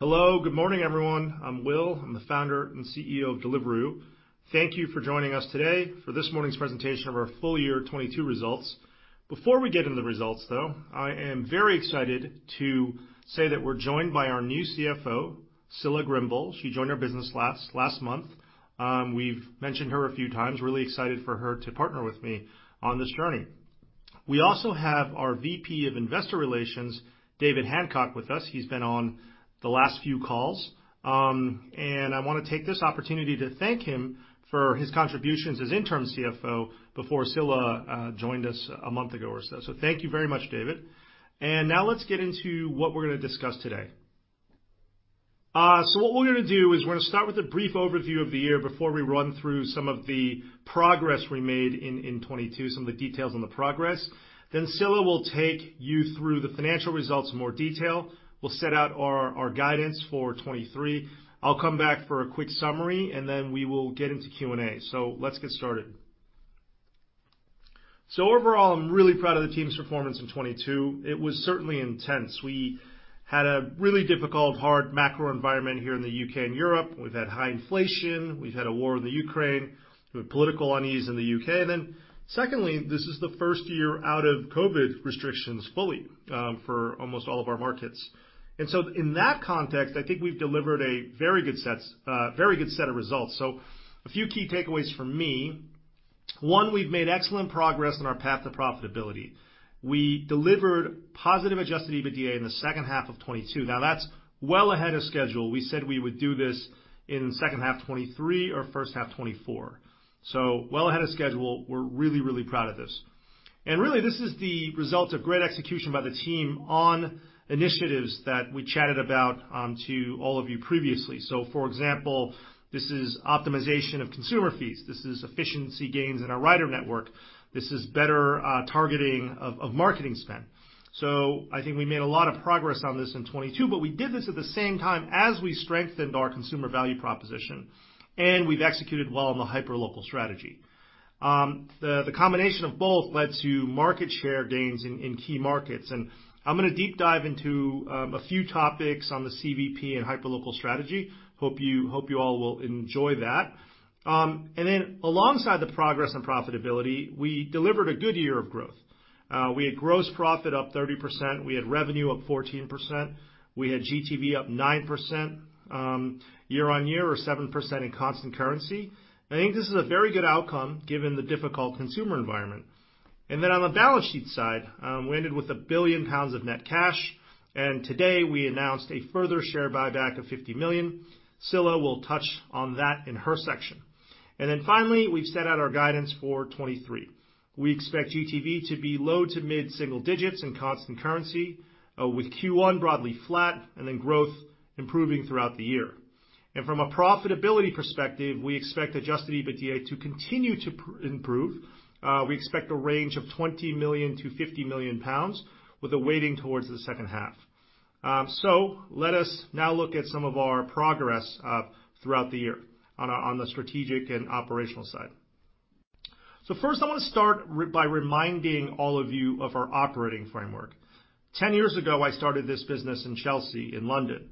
Hello, good morning, everyone. I'm Will. I'm the Founder and CEO of Deliveroo. Thank you for joining us today for this morning's presentation of our full year 2022 results. Before we get into the results, though, I am very excited to say that we're joined by our new CFO, Scilla Grimble. She joined our business last month. We've mentioned her a few times. Really excited for her to partner with me on this journey. We also have our VP of Investor Relations, David Hancock, with us. He's been on the last few calls. I wanna take this opportunity to thank him for his contributions as interim CFO before Scilla joined us a month ago or so. Thank you very much, David. Now let's get into what we're gonna discuss today. What we're gonna do is we're gonna start with a brief overview of the year before we run through some of the progress we made in 2022, some of the details on the progress. Scilla will take you through the financial results in more detail. We'll set out our guidance for 2023. I'll come back for a quick summary, and then we will get into Q&A. Let's get started. Overall, I'm really proud of the team's performance in 2022. It was certainly intense. We had a really difficult, hard macro environment here in the U.K. and Europe. We've had high inflation. We've had a war in the Ukraine. We had political unease in the U.K. Secondly, this is the first year out of COVID restrictions fully for almost all of our markets. In that context, I think we've delivered a very good set of results. A few key takeaways from me. One, we've made excellent progress on our path to profitability. We delivered positive adjusted EBITDA in the H2 of 2022. That's well ahead of schedule. We said we would do this in H2 2023 or H1 2024. Well ahead of schedule. We're really proud of this. Really, this is the result of great execution by the team on initiatives that we chatted about to all of you previously. For example, this is optimization of consumer fees. This is efficiency gains in our rider network. This is better targeting of marketing spend. I think we made a lot of progress on this in 2022, but we did this at the same time as we strengthened our consumer value proposition, and we've executed well on the hyperlocal strategy. The combination of both led to market share gains in key markets. I'm gonna deep dive into a few topics on the CVP and hyperlocal strategy. Hope you, hope you all will enjoy that. Alongside the progress and profitability, we delivered a good year of growth. We had gross profit up 30%. We had revenue up 14%. We had GTV up 9% year on year or 7% in constant currency. I think this is a very good outcome given the difficult consumer environment. On the balance sheet side, we ended with 1 billion pounds of net cash, and today we announced a further share buyback of 50 million. Scilla will touch on that in her section. Finally, we've set out our guidance for 2023. We expect GTV to be low to mid-single digits in constant currency, with Q1 broadly flat and growth improving throughout the year. From a profitability perspective, we expect adjusted EBITDA to continue to improve. We expect a range of 20 million-50 million pounds with a weighting towards the H2. Let us now look at some of our progress throughout the year on the strategic and operational side. First, I want to start by reminding all of you of our operating framework. 10 years ago, I started this business in Chelsea in London.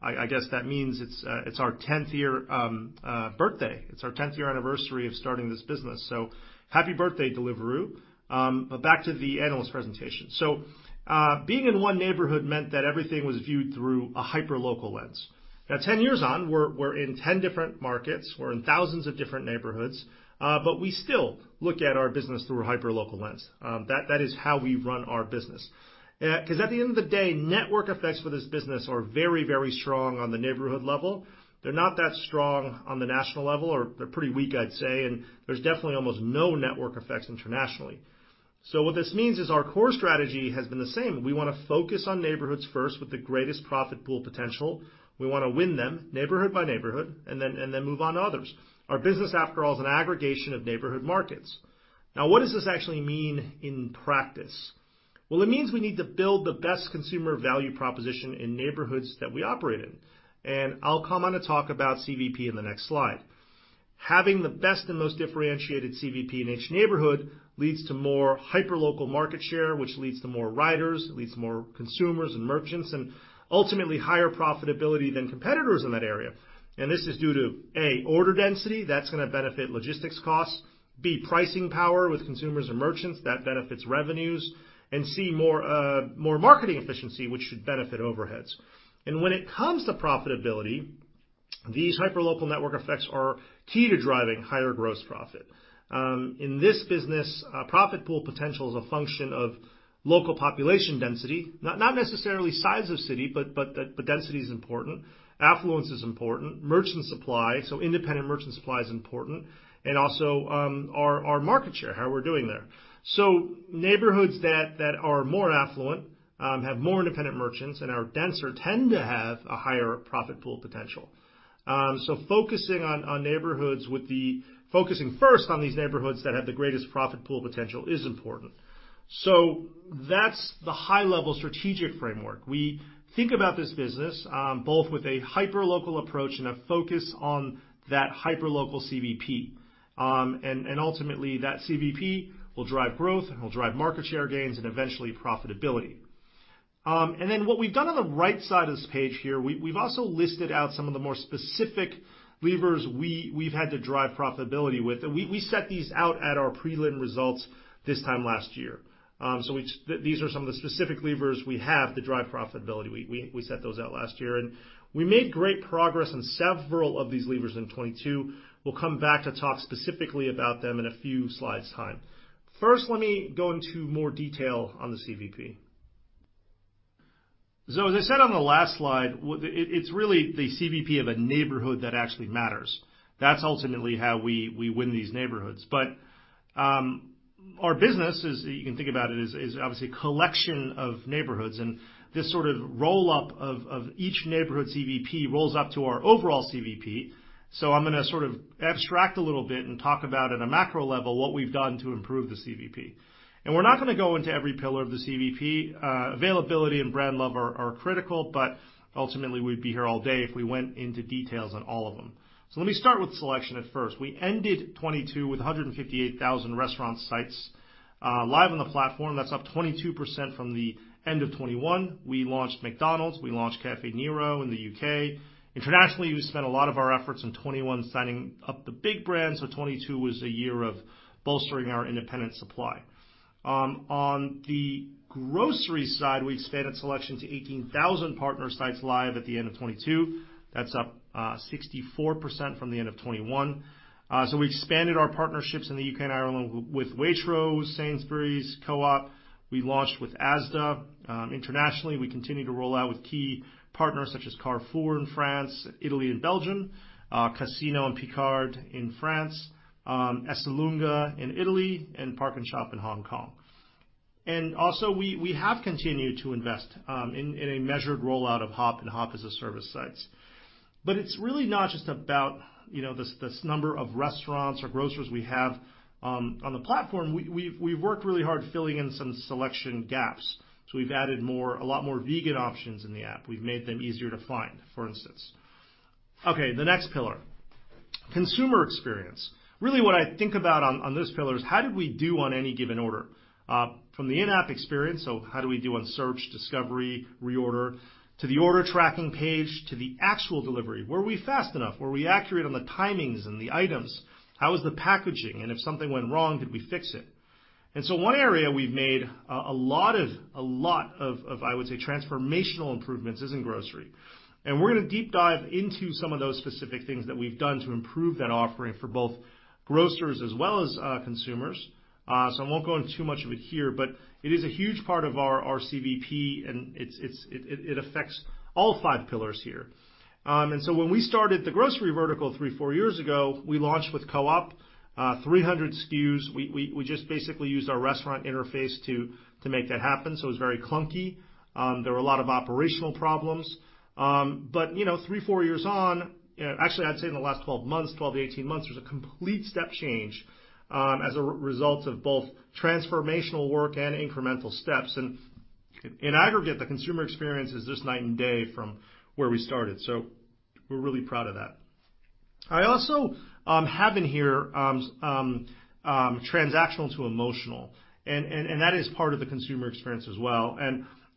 I guess that means it's our 10th year birthday. It's our 10th year anniversary of starting this business, so happy birthday, Deliveroo. Back to the analyst presentation. Being in one neighborhood meant that everything was viewed through a hyperlocal lens. Now, 10 years on, we're in 10 different markets. We're in thousands of different neighborhoods, but we still look at our business through a hyperlocal lens. That is how we run our business. 'Cause at the end of the day, network effects for this business are very, very strong on the neighborhood level. They're not that strong on the national level, or they're pretty weak, I'd say, and there's definitely almost no network effects internationally. What this means is our core strategy has been the same. We wanna focus on neighborhoods first with the greatest profit pool potential. We wanna win them neighborhood by neighborhood and then move on to others. Our business, after all, is an aggregation of neighborhood markets. What does this actually mean in practice? It means we need to build the best consumer value proposition in neighborhoods that we operate in, and I'll come on to talk about CVP in the next slide. Having the best and most differentiated CVP in each neighborhood leads to more hyperlocal market share, which leads to more riders, it leads to more consumers and merchants, and ultimately higher profitability than competitors in that area. This is due to, A, order density. That's gonna benefit logistics costs. B, pricing power with consumers and merchants. That benefits revenues. C, more marketing efficiency, which should benefit overheads. When it comes to profitability, these hyperlocal network effects are key to driving higher gross profit. In this business, profit pool potential is a function of local population density. Not necessarily size of city, but the density is important. Affluence is important. Merchant supply, so independent merchant supply is important. Also, our market share, how we're doing there. Neighborhoods that are more affluent, have more independent merchants and are denser tend to have a higher profit pool potential. Focusing on neighborhoods focusing first on these neighborhoods that have the greatest profit pool potential is important. That's the high level strategic framework. We think about this business, both with a hyperlocal approach and a focus on that hyperlocal CVP. Ultimately, that CVP will drive growth and will drive market share gains and eventually profitability. Then what we've done on the right side of this page here, we've also listed out some of the more specific levers we've had to drive profitability with. We set these out at our prelim results this time last year. These are some of the specific levers we have to drive profitability. We set those out last year, and we made great progress on several of these levers in 22. We'll come back to talk specifically about them in a few slides' time. First, let me go into more detail on the CVP. As I said on the last slide, it's really the CVP of a neighborhood that actually matters. That's ultimately how we win these neighborhoods. Our business is, you can think about it, is obviously a collection of neighborhoods, and this sort of roll-up of each neighborhood CVP rolls up to our overall CVP. I'm gonna sort of abstract a little bit and talk about at a macro level what we've done to improve the CVP. We're not gonna go into every pillar of the CVP. Availability and brand love are critical, but ultimately, we'd be here all day if we went into details on all of them. Let me start with selection at first. We ended 2022 with 158,000 restaurant sites live on the platform. That's up 22% from the end of 2021. We launched McDonald's. We launched Caffè Nero in the U.K. Internationally, we spent a lot of our efforts in 2021 signing up the big brands. 2022 was a year of bolstering our independent supply. On the grocery side, we expanded selection to 18,000 partner sites live at the end of 2022. That's up 64% from the end of 2021. We expanded our partnerships in the U.K. and Ireland with Waitrose, Sainsbury's, Co-op. We launched with Asda. Internationally, we continue to roll out with key partners such as Carrefour in France, Italy, and Belgium, Casino and Picard in France, Esselunga in Italy, and PARKnSHOP in Hong Kong. Also, we have continued to invest in a measured rollout of Hop and Hop as-a-service sites. It's really not just about, you know, this number of restaurants or grocers we have on the platform. We've worked really hard filling in some selection gaps, so we've added a lot more vegan options in the app. We've made them easier to find, for instance. The next pillar, consumer experience. Really what I think about on this pillar is how did we do on any given order, from the in-app experience, so how do we do on search, discovery, reorder, to the order tracking page, to the actual delivery? Were we fast enough? Were we accurate on the timings and the items? How was the packaging? If something went wrong, did we fix it? One area we've made a lot of transformational improvements is in grocery. We're gonna deep dive into some of those specific things that we've done to improve that offering for both grocers as well as consumers. I won't go into too much of it here, but it is a huge part of our CVP, and it affects all five pillars here. When we started the grocery vertical three, four years ago, we launched with Co-op, 300 SKUs. We just basically used our restaurant interface to make that happen, so it was very clunky. There were a lot of operational problems. You know, three, four years on, actually, I'd say in the last 12 months, 12-18 months, there's a complete step change as a result of both transformational work and incremental steps. In aggregate, the consumer experience is just night and day from where we started, so we're really proud of that. I also have in here transactional to emotional, and that is part of the consumer experience as well.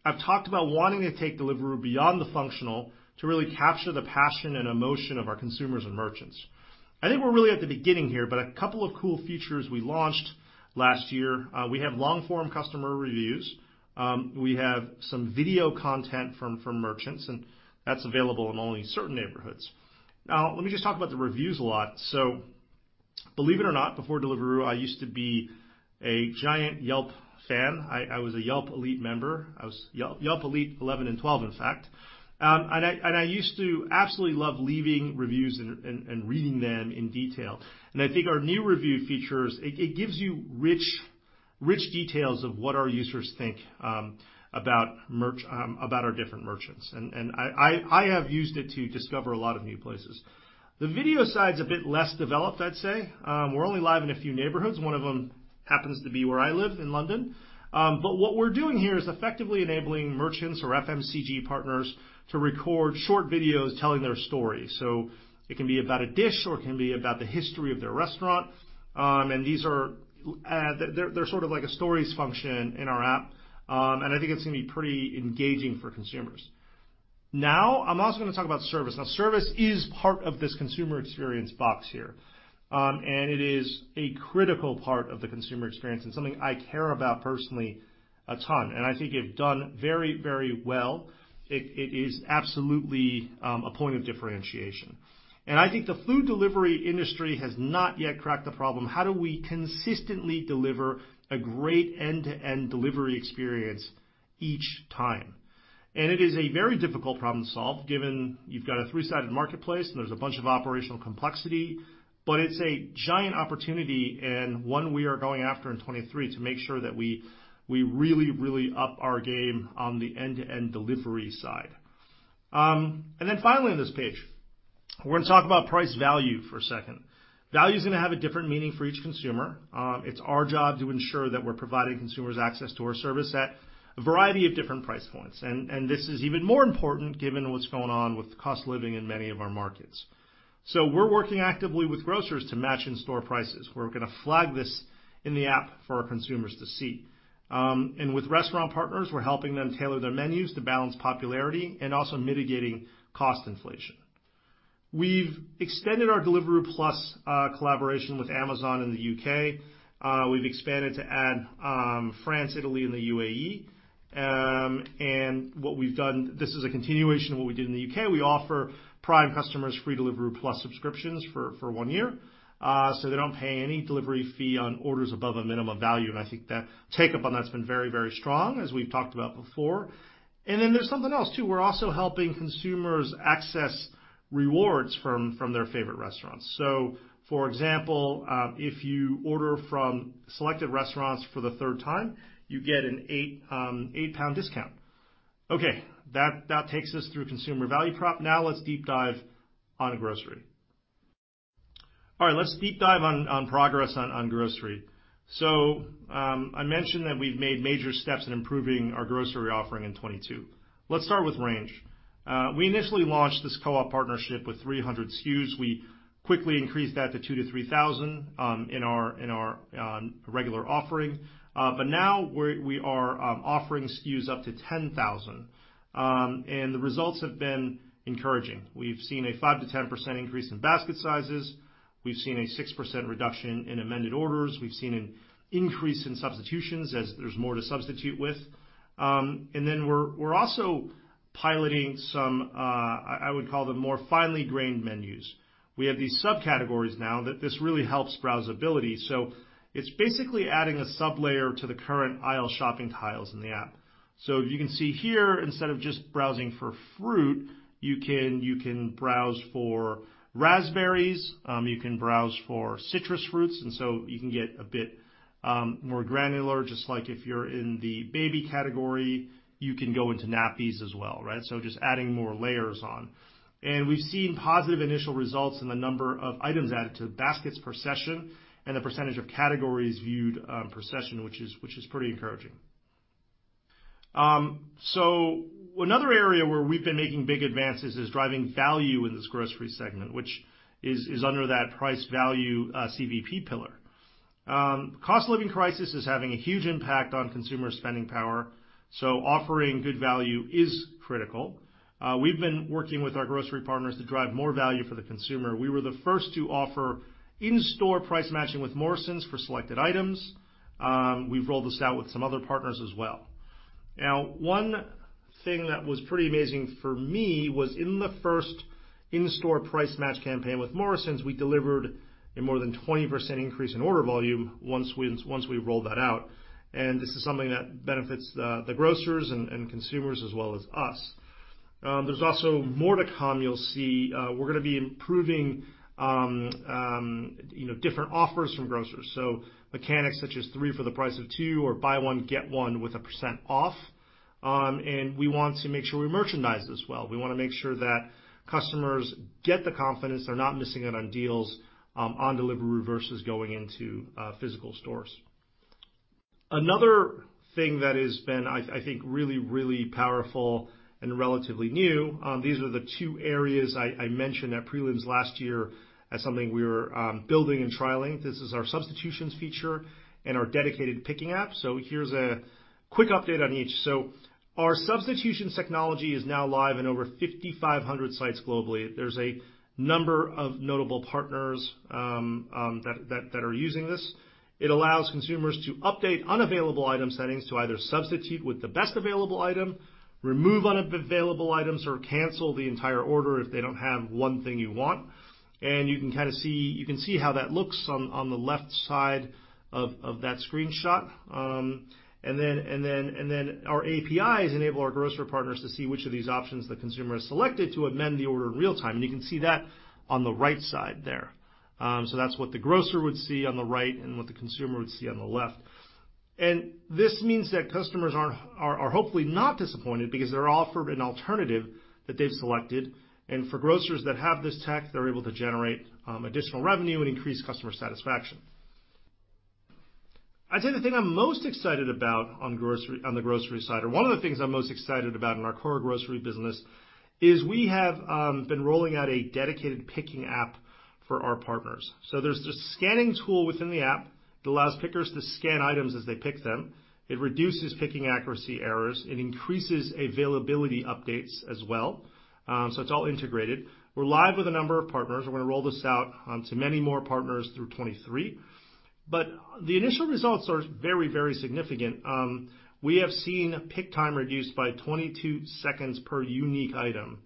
I've talked about wanting to take Deliveroo beyond the functional to really capture the passion and emotion of our consumers and merchants. I think we're really at the beginning here, but a couple of cool features we launched last year, we have long-form customer reviews. We have some video content from merchants, and that's available in only certain neighborhoods. Let me just talk about the reviews a lot. Believe it or not, before Deliveroo, I used to be a giant Yelp fan. I was a Yelp Elite member. I was Yelp Elite 11 and 12, in fact. I used to absolutely love leaving reviews and reading them in detail. I think our new review features, it gives you rich details of what our users think, about our different merchants. I have used it to discover a lot of new places. The video side's a bit less developed, I'd say. We're only live in a few neighborhoods. One of them happens to be where I live in London. What we're doing here is effectively enabling merchants or FMCG partners to record short videos telling their story. It can be about a dish, or it can be about the history of their restaurant. These are, they're sort of like a Stories function in our app. I think it's gonna be pretty engaging for consumers. Now, I'm also gonna talk about service. Now service is part of this consumer experience box here. It is a critical part of the consumer experience and something I care about personally a ton. I think we've done very, very well. It is absolutely a point of differentiation. I think the food delivery industry has not yet cracked the problem: how do we consistently deliver a great end-to-end delivery experience each time? It is a very difficult problem to solve given you've got a three-sided marketplace, and there's a bunch of operational complexity, but it's a giant opportunity and one we are going after in 2023 to make sure that we really, really up our game on the end-to-end delivery side. Finally on this page, we're going to talk about price value for a second. Value's going to have a different meaning for each consumer. It's our job to ensure that we're providing consumers access to our service at a variety of different price points. This is even more important given what's going on with cost of living in many of our markets. We're working actively with grocers to match in-store prices. We're going to flag this in the app for our consumers to see. With restaurant partners, we're helping them tailor their menus to balance popularity and also mitigating cost inflation. We've extended our Deliveroo Plus collaboration with Amazon in the U.K. We've expanded to add France, Italy, and the UAE. This is a continuation of what we did in the U.K. We offer Prime customers free Deliveroo Plus subscriptions for one year, so they don't pay any delivery fee on orders above a minimum value, I think the take-up on that's been very, very strong, as we've talked about before. There's something else too. We're also helping consumers access rewards from their favorite restaurants. For example, if you order from selected restaurants for the third time, you get a 8 pound discount. Okay. That takes us through consumer value prop. Now let's deep dive on grocery. All right, let's deep dive on progress on grocery. I mentioned that we've made major steps in improving our grocery offering in 2022. Let's start with Range. We initially launched this Co-op partnership with 300 SKUs. We quickly increased that to 2,000-3,000 in our, in our regular offering. Now we are offering SKUs up to 10,000, and the results have been encouraging. We've seen a 5%-10% increase in basket sizes, we've seen a 6% reduction in amended orders, we've seen an increase in substitutions as there's more to substitute with. Then we're also piloting some, I would call them more finely grained menus. We have these subcategories now that this really helps browsability. It's basically adding a sublayer to the current aisle shopping tiles in the app. You can see here, instead of just browsing for fruit, you can browse for raspberries, you can browse for citrus fruits, and so you can get a bit more granular, just like if you're in the baby category, you can go into nappies as well, right? Just adding more layers on. We've seen positive initial results in the number of items added to baskets per session and the percentage of categories viewed per session, which is pretty encouraging. Another area where we've been making big advances is driving value in this grocery segment, which is under that price value CVP pillar. Cost living crisis is having a huge impact on consumer spending power, so offering good value is critical. We've been working with our grocery partners to drive more value for the consumer. We were the first to offer in-store price matching with Morrisons for selected items. We've rolled this out with some other partners as well. One thing that was pretty amazing for me was in the first in-store price match campaign with Morrisons, we delivered a more than 20% increase in order volume once we rolled that out, and this is something that benefits the grocers and consumers as well as us. There's also more to come, you'll see. We're going to be improving, you know, different offers from grocers, so mechanics such as three for the price of two or buy one, get one with a % off. We want to make sure we merchandise this well. We wanna make sure that customers get the confidence they're not missing out on deals on Deliveroo versus going into physical stores. Another thing that has been, I think, really, really powerful and relatively new, these are the two areas I mentioned at prelims last year as something we were building and trialing. This is our substitutions feature and our dedicated picking app. Here's a quick update on each. Our substitutions technology is now live in over 5,500 sites globally. There's a number of notable partners that are using this. It allows consumers to update unavailable item settings to either substitute with the best available item, remove unavailable items, or cancel the entire order if they don't have one thing you want. You can kind of see. You can see how that looks on the left side of that screenshot. Our APIs enable our grocer partners to see which of these options the consumer has selected to amend the order in real time, and you can see that on the right side there. That's what the grocer would see on the right and what the consumer would see on the left. This means that customers are hopefully not disappointed because they're offered an alternative that they've selected. For grocers that have this tech, they're able to generate additional revenue and increase customer satisfaction. I'd say the thing I'm most excited about on the grocery side, or one of the things I'm most excited about in our core grocery business is we have been rolling out a dedicated picking app for our partners. There's this scanning tool within the app that allows pickers to scan items as they pick them. It reduces picking accuracy errors. It increases availability updates as well. It's all integrated. We're live with a number of partners. We're gonna roll this out to many more partners through 2023. The initial results are very, very significant. We have seen pick time reduced by 22 seconds per unique item,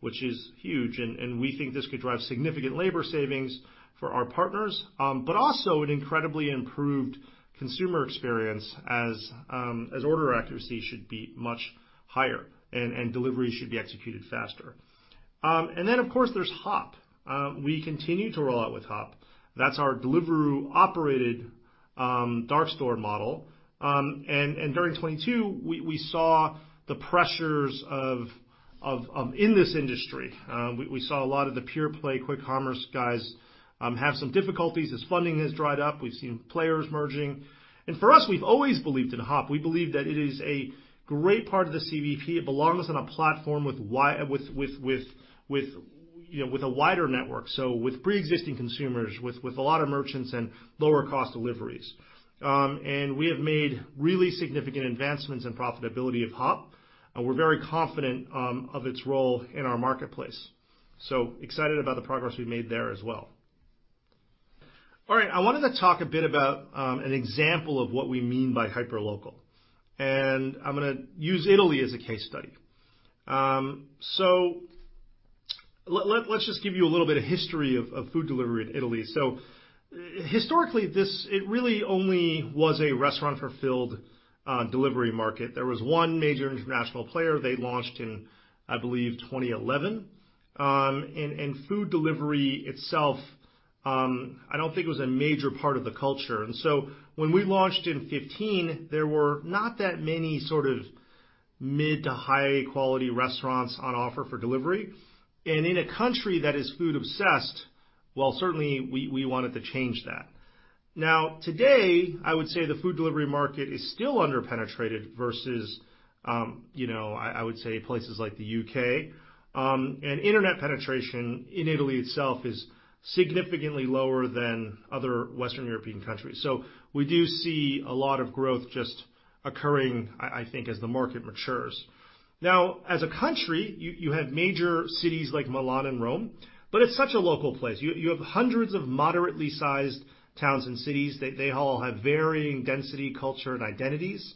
which is huge, and we think this could drive significant labor savings for our partners, but also an incredibly improved consumer experience as order accuracy should be much higher and deliveries should be executed faster. Of course, there's Hop. We continue to roll out with Hop. That's our Deliveroo o perated dark store model. And during 2022, we saw the pressures of in this industry. We saw a lot of the pure play quick commerce guys have some difficulties as funding has dried up. We've seen players merging. For us, we've always believed in Hop. We believe that it is a great part of the CVP. It belongs on a platform with, you know, with a wider network, so with pre-existing consumers, with a lot of merchants and lower cost deliveries. We have made really significant advancements in profitability of HOP. We're very confident of its role in our marketplace. Excited about the progress we've made there as well. All right, I wanted to talk a bit about an example of what we mean by hyperlocal, and I'm gonna use Italy as a case study. Let's just give you a little bit of history of food delivery in Italy. Historically, it really only was a restaurant fulfilled delivery market. There was one major international player. They launched in, I believe, 2011. And food. Delivery itself, I don't think it was a major part of the culture. When we launched in 15, there were not that many sort of mid to high quality restaurants on offer for delivery. In a country that is food obsessed, while certainly we wanted to change that. Now, today, I would say the food delivery market is still under-penetrated versus, you know, I would say places like the U.K, and internet penetration in Italy itself is significantly lower than other Western European countries. We do see a lot of growth just occurring I think, as the market matures. Now, as a country, you have major cities like Milan and Rome, but it's such a local place. You have hundreds of moderately sized towns and cities. They all have varying density, culture, and identities.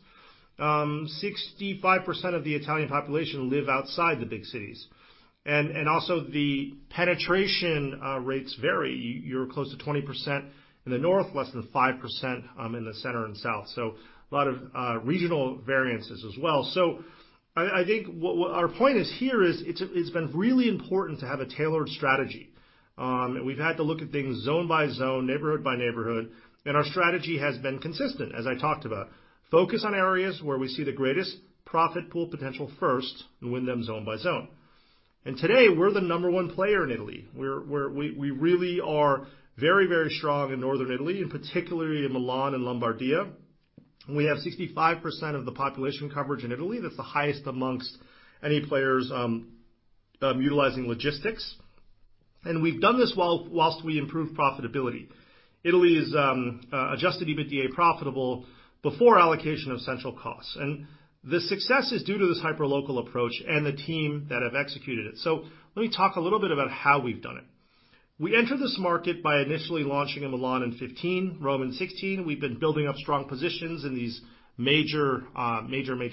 65% of the Italian population live outside the big cities. Also the penetration rates vary. You're close to 20% in the north, less than 5% in the center and south. A lot of regional variances as well. I think what our point is here is it's been really important to have a tailored strategy. We've had to look at things zone by zone, neighborhood by neighborhood, and our strategy has been consistent, as I talked about. Focus on areas where we see the greatest profit pool potential first and win them zone by zone. Today, we're the number one player in Italy. We really are very, very strong in Northern Italy, and particularly in Milan and Lombardia. We have 65% of the population coverage in Italy. That's the highest amongst any players, utilizing logistics. We've done this whilst we improve profitability. Italy is adjusted EBITDA profitable before allocation of central costs. The success is due to this hyperlocal approach and the team that have executed it. Let me talk a little bit about how we've done it. We entered this market by initially launching in Milan in 2015, Rome in 2016. We've been building up strong positions in these major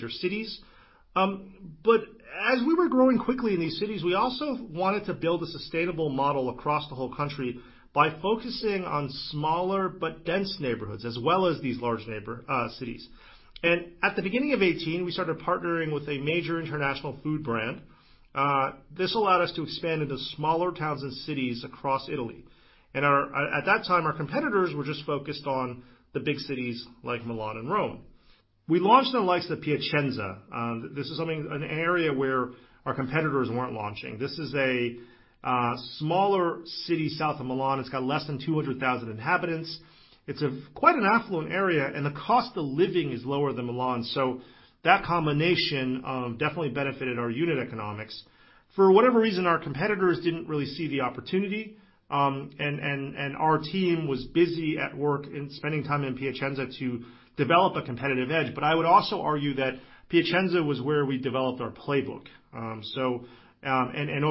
cities. As we were growing quickly in these cities, we also wanted to build a sustainable model across the whole country by focusing on smaller but dense neighborhoods as well as these large cities. At the beginning of 2018, we started partnering with a major international food brand. This allowed us to expand into smaller towns and cities across Italy. At that time, our competitors were just focused on the big cities like Milan and Rome. We launched in the likes of Piacenza. This is something, an area where our competitors weren't launching. This is a smaller city south of Milan. It's got less than 200,000 inhabitants. It's a quite an affluent area, and the cost of living is lower than Milan. That combination definitely benefited our unit economics. For whatever reason, our competitors didn't really see the opportunity, and our team was busy at work and spending time in Piacenza to develop a competitive edge. I would also argue that Piacenza was where we developed our playbook.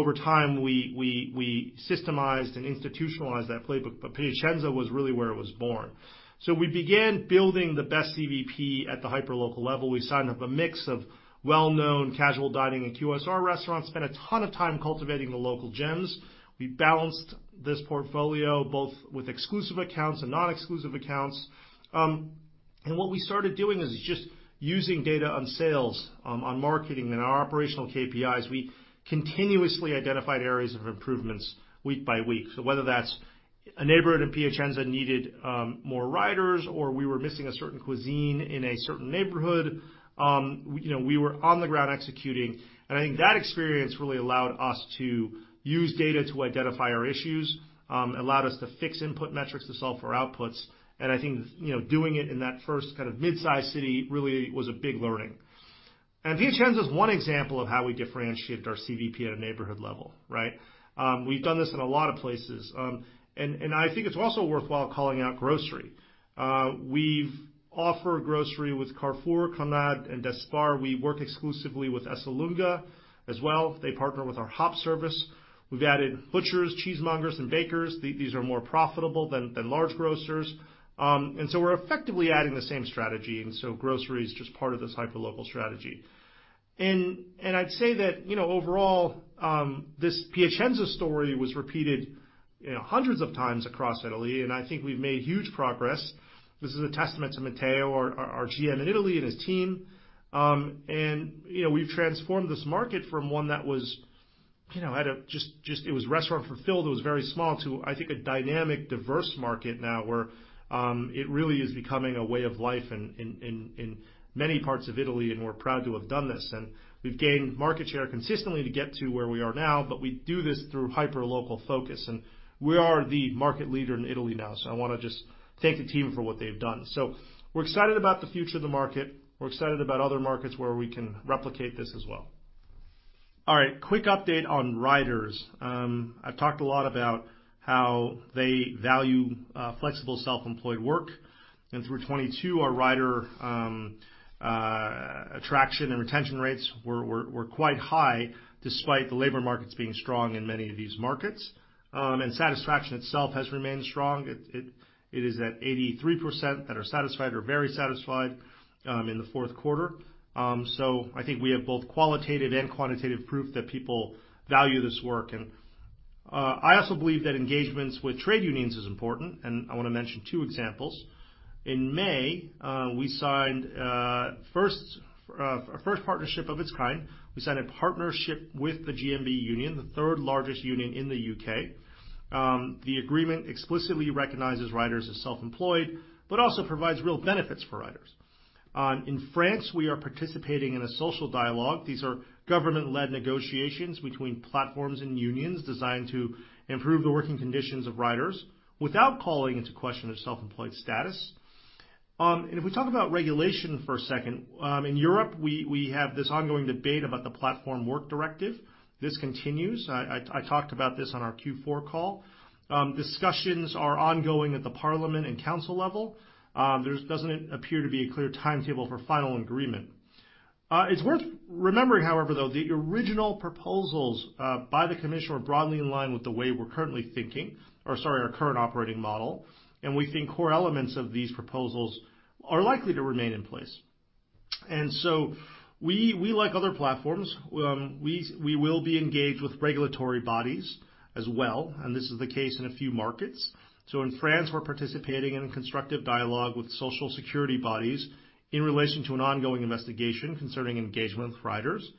Over time, we systemized and institutionalized that playbook, but Piacenza was really where it was born. We began building the best CVP at the hyperlocal level. We signed up a mix of well-known casual dining and QSR restaurants, spent a ton of time cultivating the local gems. We balanced this portfolio both with exclusive accounts and non-exclusive accounts. What we started doing is just using data on sales, on marketing and our operational KPIs. We continuously identified areas of improvements week by week. Whether that's a neighborhood in Piacenza needed, more riders or we were missing a certain cuisine in a certain neighborhood, you know, we were on the ground executing, and I think that experience really allowed us to use data to identify our issues, allowed us to fix input metrics to solve for outputs. I think, you know, doing it in that first kind of mid-sized city really was a big learning. Piacenza is one example of how we differentiated our CVP at a neighborhood level, right? We've done this in a lot of places. I think it's also worthwhile calling out grocery. We've offered grocery with Carrefour, CONAD, and DESPAR. We work exclusively with Esselunga as well. They partner with our Hop service. We've added butchers, cheesemongers, and bakers. These are more profitable than large grocers. We're effectively adding the same strategy, and so grocery is just part of this hyperlocal strategy. I'd say that, you know, overall, this Piacenza story was repeated, you know, hundreds of times across Italy, and I think we've made huge progress. This is a testament to Matteo, our GM in Italy and his team. You know, we've transformed this market from one that was, you know, it was restaurant fulfilled, it was very small to, I think, a dynamic, diverse market now where it really is becoming a way of life in many parts of Italy, and we're proud to have done this. We've gained market share consistently to get to where we are now, but we do this through hyperlocal focus, and we are the market leader in Italy now. I want to just thank the team for what they've done. We're excited about the future of the market. We're excited about other markets where we can replicate this as well. All right, quick update on riders. I've talked a lot about how they value flexible self-employed work. Through 2022, our rider attraction and retention rates were quite high despite the labor markets being strong in many of these markets. Satisfaction itself has remained strong. It is at 83% that are satisfied or very satisfied in the Q4. I think we have both qualitative and quantitative proof that people value this work. I also believe that engagements with trade unions is important, and I want to mention two examples. In May, we signed a first partnership of its kind. We signed a partnership with the GMB Union, the third largest union in the U.K. The agreement explicitly recognizes riders as self-employed, but also provides real benefits for riders. In France, we are participating in a social dialogue. These are government-led negotiations between platforms and unions designed to improve the working conditions of riders without calling into question their self-employed status. If we talk about regulation for a second, in Europe, we have this ongoing debate about the Platform Work Directive. This continues. I talked about this on our Q4 call. Discussions are ongoing at the parliament and council level. There doesn't appear to be a clear timetable for final agreement. It's worth remembering, however, though the original proposals by the Commission were broadly in line with the way we're currently thinking or, sorry, our current operating model, and we think core elements of these proposals are likely to remain in place. We like other platforms, we will be engaged with regulatory bodies as well, and this is the case in a few markets. In France, we're participating in a constructive dialogue with social security bodies in relation to an ongoing investigation concerning engagement with riders.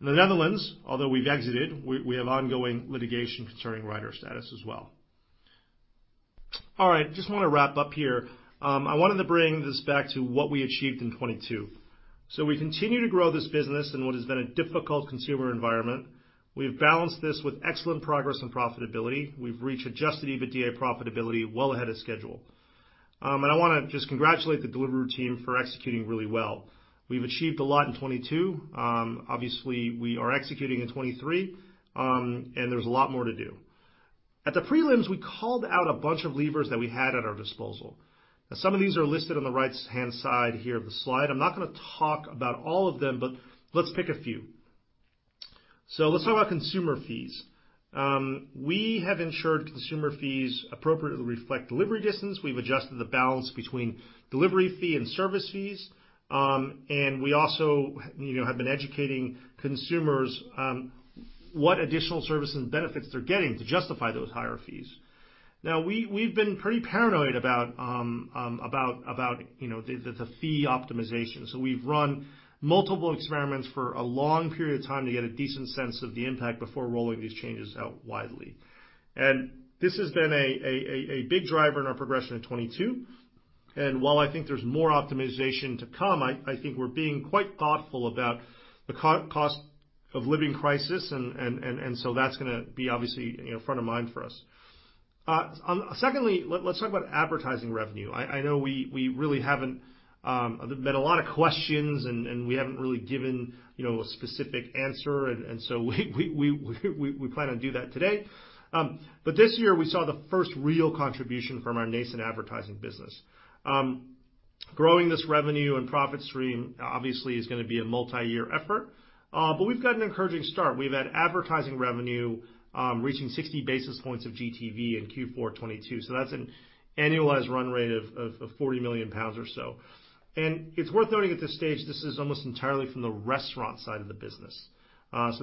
In the Netherlands, although we've exited, we have ongoing litigation concerning rider status as well. All right, just wanna wrap up here. I wanted to bring this back to what we achieved in 2022. We continue to grow this business in what has been a difficult consumer environment. We've balanced this with excellent progress and profitability. We've reached adjusted EBITDA profitability well ahead of schedule. I wanna just congratulate the Deliveroo team for executing really well. We've achieved a lot in 2022. Obviously we are executing in 2023, and there's a lot more to do. At the prelims, we called out a bunch of levers that we had at our disposal. Now some of these are listed on the right-hand side here of the slide. I'm not gonna talk about all of them, but let's pick a few. Let's talk about consumer fees. We have ensured consumer fees appropriately reflect delivery distance. We've adjusted the balance between delivery fee and service fees. We also, you know, have been educating consumers what additional services and benefits they're getting to justify those higher fees. We've been pretty paranoid about, you know, the fee optimization. We've run multiple experiments for a long period of time to get a decent sense of the impact before rolling these changes out widely. This has been a big driver in our progression in 2022. While I think there's more optimization to come, I think we're being quite thoughtful about the cost of living crisis and so that's gonna be obviously, you know, front of mind for us. Secondly, let's talk about advertising revenue. There've been a lot of questions and we haven't really given, you know, a specific answer. We plan to do that today. This year, we saw the first real contribution from our nascent advertising business. Growing this revenue and profit stream obviously is gonna be a multi-year effort, we've got an encouraging start. We've had advertising revenue reaching 60 basis points of GTV in Q4 2022, that's an annualized run rate of 40 million pounds or so. It's worth noting at this stage, this is almost entirely from the restaurant side of the business.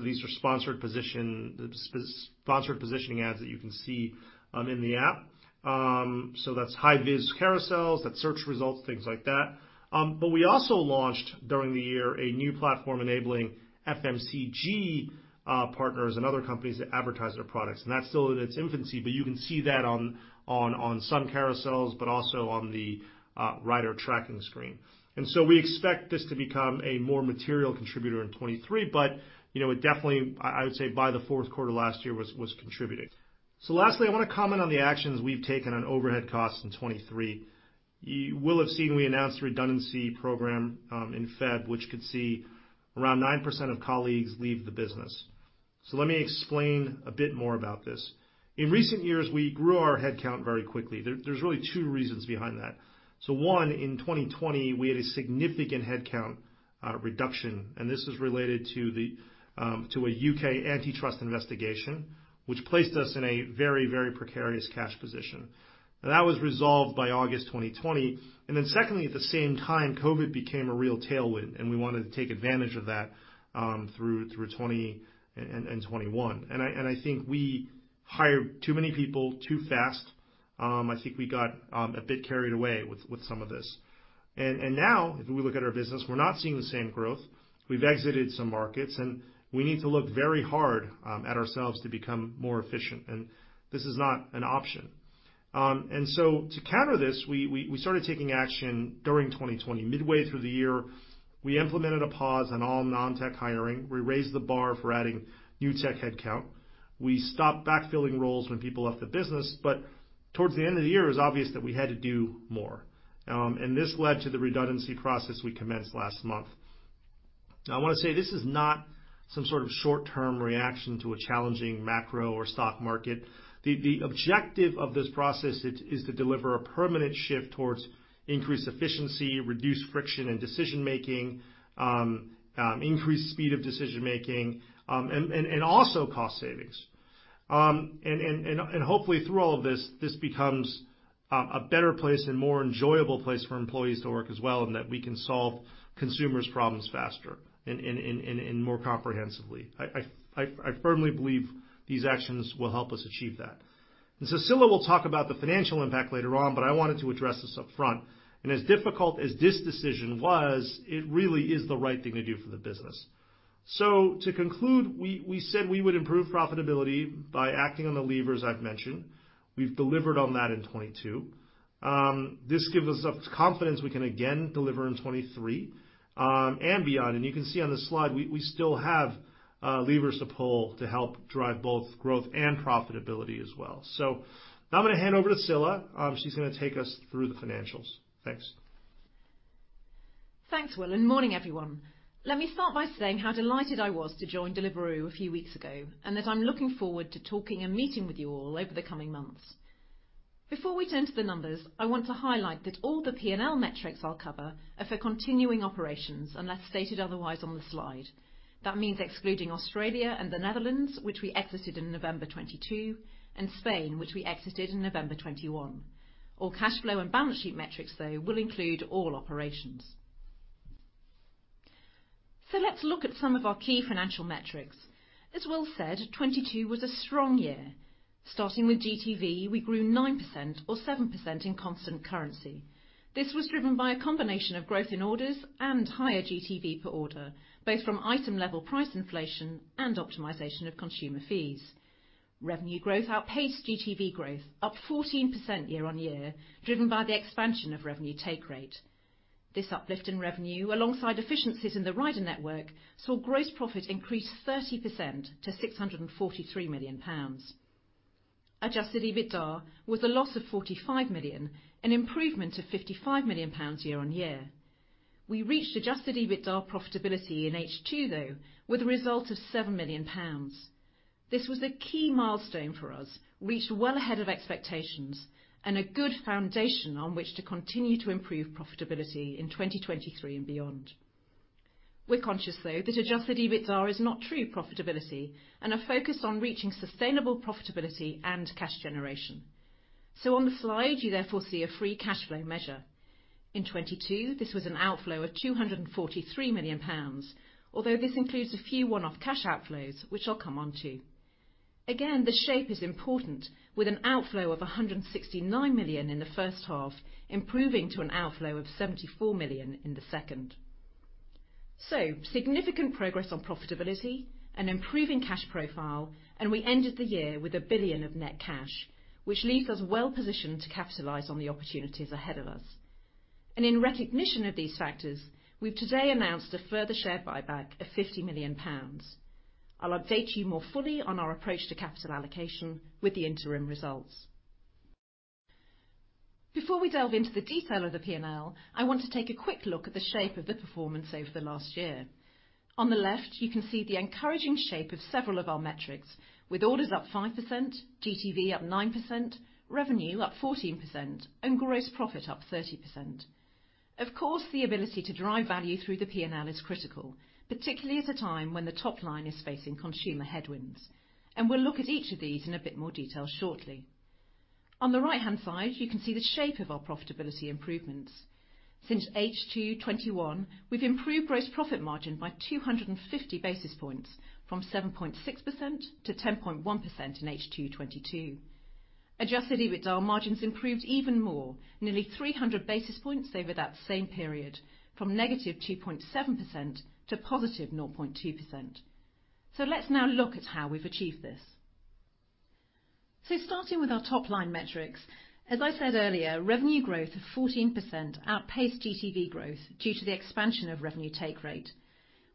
These are sponsored position, the sponsored positioning ads that you can see in the app. That's high-vis carousels, that's search results, things like that. We also launched during the year a new platform enabling FMCG partners and other companies to advertise their products, that's still in its infancy, but you can see that on some carousels, but also on the rider tracking screen. We expect this to become a more material contributor in 2023, but, you know, it definitely, I would say by the Q4 last year was contributing. Lastly, I wanna comment on the actions we've taken on overhead costs in 2023. You will have seen we announced a redundancy program in February, which could see around 9% of colleagues leave the business. Let me explain a bit more about this. In recent years, we grew our headcount very quickly. There's really two reasons behind that. One, in 2020, we had a significant headcount reduction, and this was related to the to a U.K. antitrust investigation, which placed us in a very, very precarious cash position. That was resolved by August 2020. Secondly, at the same time, COVID became a real tailwind, and we wanted to take advantage of that through 2020 and 2021. I, and I think we hired too many people too fast. I think we got a bit carried away with some of this. Now if we look at our business, we're not seeing the same growth. We've exited some markets, and we need to look very hard at ourselves to become more efficient. This is not an option. To counter this, we started taking action during 2020. Midway through the year, we implemented a pause on all non-tech hiring. We raised the bar for adding new tech headcount. We stopped backfilling roles when people left the business. Towards the end of the year, it was obvious that we had to do more. This led to the redundancy process we commenced last month. I wanna say this is not some sort of short-term reaction to a challenging macro or stock market. The objective of this process is to deliver a permanent shift towards increased efficiency, reduced friction in decision making, increased speed of decision making, and also cost savings. Hopefully through all of this becomes a better place and more enjoyable place for employees to work as well, and that we can solve consumers' problems faster and more comprehensively. I firmly believe these actions will help us achieve that. Scilla will talk about the financial impact later on, but I wanted to address this upfront. As difficult as this decision was, it really is the right thing to do for the business. To conclude, we said we would improve profitability by acting on the levers I've mentioned. We've delivered on that in 2022. This gives us confidence we can again deliver in 2023 and beyond. You can see on the slide, we still have levers to pull to help drive both growth and profitability as well. Now I'm gonna hand over to Scilla. She's gonna take us through the financials. Thanks. Thanks, Will. Morning everyone. Let me start by saying how delighted I was to join Deliveroo a few weeks ago, and that I'm looking forward to talking and meeting with you all over the coming months. Before we turn to the numbers, I want to highlight that all the P&L metrics I'll cover are for continuing operations, unless stated otherwise on the slide. That means excluding Australia and the Netherlands, which we exited in November 2022, and Spain, which we exited in November 2021. All cash flow and balance sheet metrics, though, will include all operations. Let's look at some of our key financial metrics. As Will said, 2022 was a strong year. Starting with GTV, we grew 9% or 7% in constant currency. This was driven by a combination of growth in orders and higher GTV per order, both from item-level price inflation and optimization of consumer fees. Revenue growth outpaced GTV growth, up 14% year-over-year, driven by the expansion of revenue take rate. This uplift in revenue, alongside efficiencies in the rider network, saw gross profit increase 30% to 643 million pounds. Adjusted EBITDA was a loss of 45 million, an improvement of 55 million pounds year-over-year. We reached adjusted EBITDA profitability in H2, though, with a result of 7 million pounds. This was a key milestone for us, reached well ahead of expectations, and a good foundation on which to continue to improve profitability in 2023 and beyond. We're conscious though that adjusted EBITDA is not true profitability and are focused on reaching sustainable profitability and cash generation. On the slide, you therefore see a free cash flow measure. In 2022, this was an outflow of 243 million pounds, although this includes a few one-off cash outflows, which I'll come onto. Again, the shape is important, with an outflow of 169 million in the H1, improving to an outflow of 74 million in the second. Significant progress on profitability, an improving cash profile, and we ended the year with 1 billion of net cash, which leaves us well positioned to capitalize on the opportunities ahead of us. In recognition of these factors, we've today announced a further share buyback of 50 million pounds. I'll update you more fully on our approach to capital allocation with the interim results. Before we delve into the detail of the P&L, I want to take a quick look at the shape of the performance over the last year. On the left, you can see the encouraging shape of several of our metrics, with orders up 5%, GTV up 9%, revenue up 14%, and gross profit up 30%. Of course, the ability to drive value through the P&L is critical, particularly at a time when the top line is facing consumer headwinds. We'll look at each of these in a bit more detail shortly. On the right-hand side, you can see the shape of our profitability improvements. Since H2 2021, we've improved gross profit margin by 250 basis points from 7.6% to 10.1% in H2 2022. Adjusted EBITDA margins improved even more, nearly 300 basis points over that same period from -2.7% to +0.2%. Let's now look at how we've achieved this. Starting with our top line metrics, as I said earlier, revenue growth of 14% outpaced GTV growth due to the expansion of revenue take rate.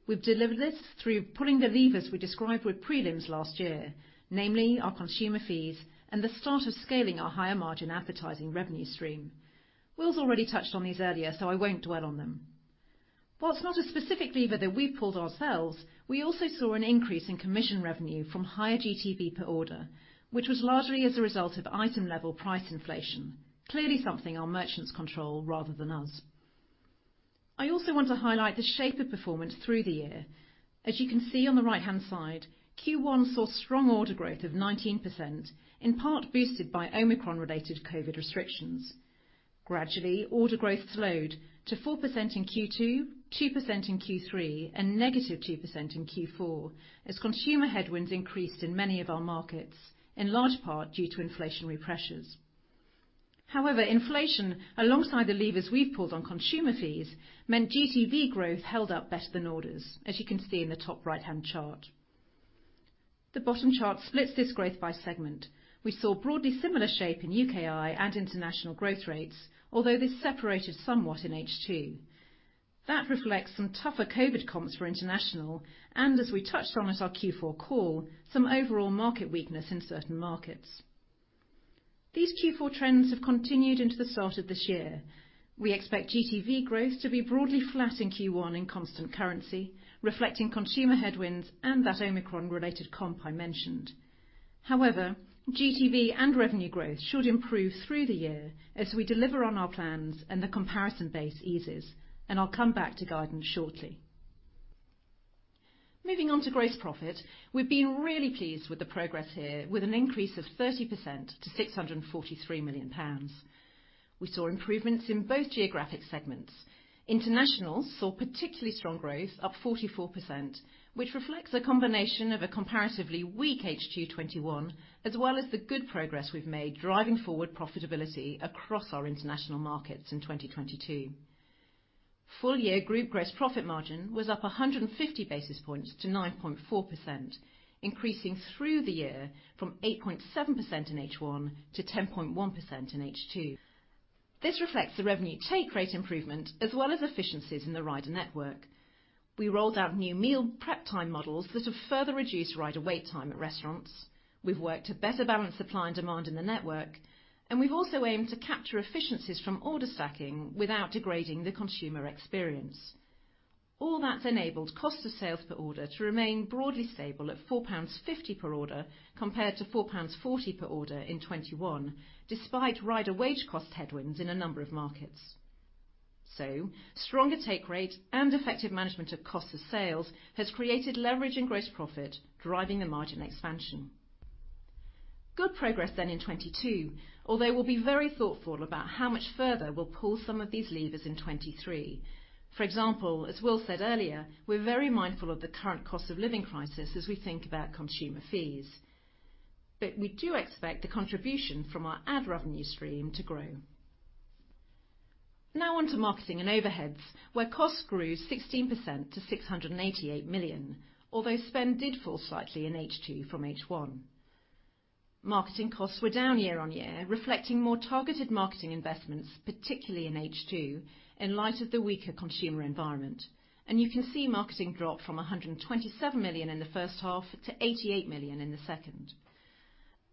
We've delivered this through pulling the levers we described with prelims last year, namely our consumer fees and the start of scaling our higher margin advertising revenue stream. Will's already touched on these earlier. I won't dwell on them. While it's not a specific lever that we pulled ourselves, we also saw an increase in commission revenue from higher GTV per order, which was largely as a result of item level price inflation, clearly something our merchants control rather than us. I also want to highlight the shape of performance through the year. As you can see on the right-hand side, Q1 saw strong order growth of 19%, in part boosted by Omicron related COVID restrictions. Gradually, order growth slowed to 4% in Q2, 2% in Q3, and -2% in Q4, as consumer headwinds increased in many of our markets, in large part due to inflationary pressures. However, inflation, alongside the levers we've pulled on consumer fees, meant GTV growth held up better than orders, as you can see in the top right-hand chart. The bottom chart splits this growth by segment. We saw broadly similar shape in UKI and international growth rates, although this separated somewhat in H2. That reflects some tougher COVID comps for international and as we touched on at our Q4 call, some overall market weakness in certain markets. These Q4 trends have continued into the start of this year. We expect GTV growth to be broadly flat in Q1 in constant currency, reflecting consumer headwinds and that Omicron related comp I mentioned. However, GTV and revenue growth should improve through the year as we deliver on our plans and the comparison base eases, and I'll come back to guidance shortly. Moving on to gross profit. We've been really pleased with the progress here with an increase of 30% to 643 million pounds. We saw improvements in both geographic segments. International saw particularly strong growth, up 44%, which reflects a combination of a comparatively weak H2 2021, as well as the good progress we've made driving forward profitability across our international markets in 2022. Full year group gross profit margin was up 150 basis points to 9.4%, increasing through the year from 8.7% in H1 to 10.1% in H2. This reflects the revenue take rate improvement as well as efficiencies in the rider network. We rolled out new meal prep time models that have further reduced rider wait time at restaurants. We've worked to better balance supply and demand in the network. We've also aimed to capture efficiencies from order stacking without degrading the consumer experience. All that's enabled cost of sales per order to remain broadly stable at 4.50 pounds per order, compared to 4.40 pounds per order in 2021, despite rider wage cost headwinds in a number of markets. Stronger take rate and effective management of cost of sales has created leverage in gross profit, driving the margin expansion. Good progress in 2022, although we'll be very thoughtful about how much further we'll pull some of these levers in 2023. For example, as Will said earlier, we're very mindful of the current cost of living crisis as we think about consumer fees. We do expect the contribution from our ad revenue stream to grow. On to marketing and overheads, where costs grew 16% to 688 million, although spend did fall slightly in H2 from H1. Marketing costs were down year-over-year, reflecting more targeted marketing investments, particularly in H2, in light of the weaker consumer environment. You can see marketing drop from 127 million in the H1 to 88 million in the second.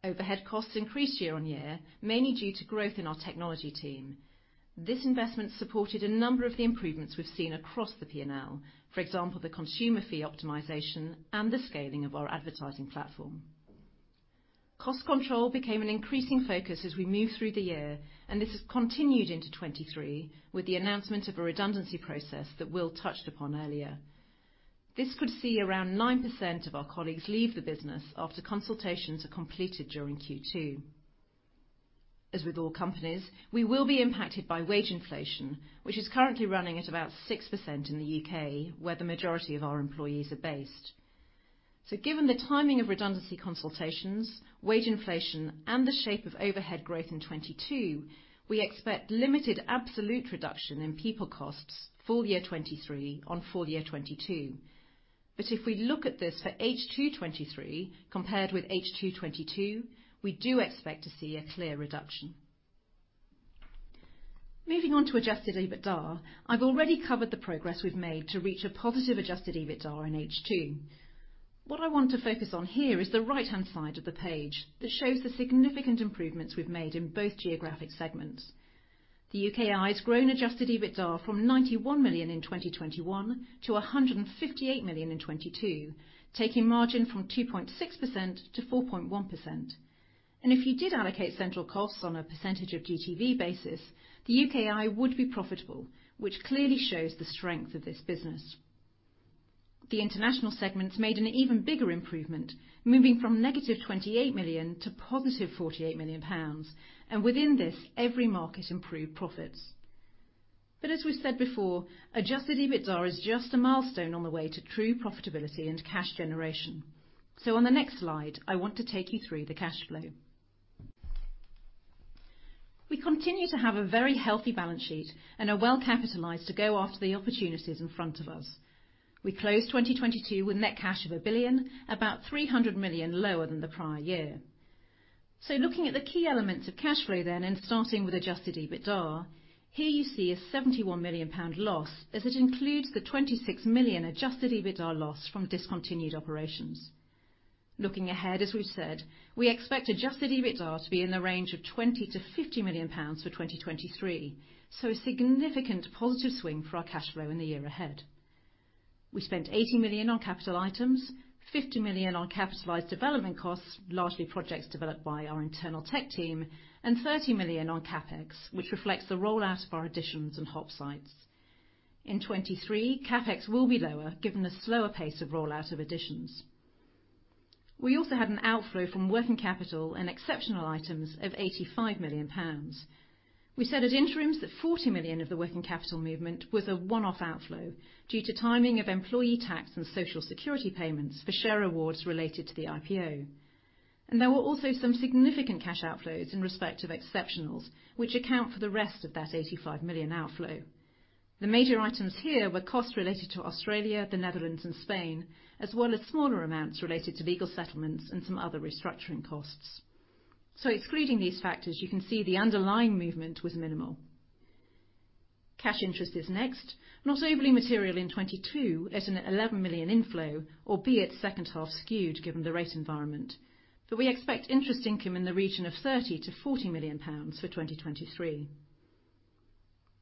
Overhead costs increased year-over-year, mainly due to growth in our technology team. This investment supported a number of the improvements we've seen across the P&L. For example, the consumer fee optimization and the scaling of our advertising platform. Cost control became an increasing focus as we moved through the year, and this has continued into 2023 with the announcement of a redundancy process that Will touched upon earlier. This could see around 9% of our colleagues leave the business after consultations are completed during Q2. As with all companies, we will be impacted by wage inflation, which is currently running at about 6% in the U.K., where the majority of our employees are based. Given the timing of redundancy consultations, wage inflation and the shape of overhead growth in 2022, we expect limited absolute reduction in people costs full year 2023 on full year 2022. If we look at this for H2 2023 compared with H2 2022, we do expect to see a clear reduction. Moving on to adjusted EBITDA, I've already covered the progress we've made to reach a positive adjusted EBITDA in H2. What I want to focus on here is the right-hand side of the page that shows the significant improvements we've made in both geographic segments. The UKI has grown adjusted EBITDA from 91 million in 2021 to 158 million in 2022, taking margin from 2.6% to 4.1%. If you did allocate central costs on a percentage of GTV basis, the UKI would be profitable, which clearly shows the strength of this business. The international segments made an even bigger improvement, moving from negative 28 million to positive 48 million pounds. Within this, every market improved profits. As we said before, adjusted EBITDA is just a milestone on the way to true profitability and cash generation. On the next slide, I want to take you through the cash flow. We continue to have a very healthy balance sheet and are well capitalized to go after the opportunities in front of us. We closed 2022 with net cash of 1 billion, about 300 million lower than the prior year. Looking at the key elements of cash flow, starting with adjusted EBITDA, here you see a 71 million pound loss as it includes the 26 million adjusted EBITDA loss from discontinued operations. Looking ahead, as we've said, we expect adjusted EBITDA to be in the range of 20 million-50 million pounds for 2023. A significant positive swing for our cash flow in the year ahead. We spent 80 million on capital items, 50 million on capitalized development costs, largely projects developed by our internal tech team, and 30 million on CapEx, which reflects the rollout of our Editions and hub sites. In 2023, CapEx will be lower given the slower pace of rollout of Editions. We also had an outflow from working capital and exceptional items of 85 million pounds. We said at interims that 40 million of the working capital movement was a one-off outflow due to timing of employee tax and social security payments for share awards related to the IPO. There were also some significant cash outflows in respect of exceptionals, which account for the rest of that 85 million outflow. The major items here were costs related to Australia, the Netherlands, and Spain, as well as smaller amounts related to legal settlements and some other restructuring costs. Excluding these factors, you can see the underlying movement was minimal. Cash interest is next. Not overly material in 2022 at a 11 million inflow, albeit H2 skewed given the rate environment. We expect interest income in the region of 30 million-40 million pounds for 2023.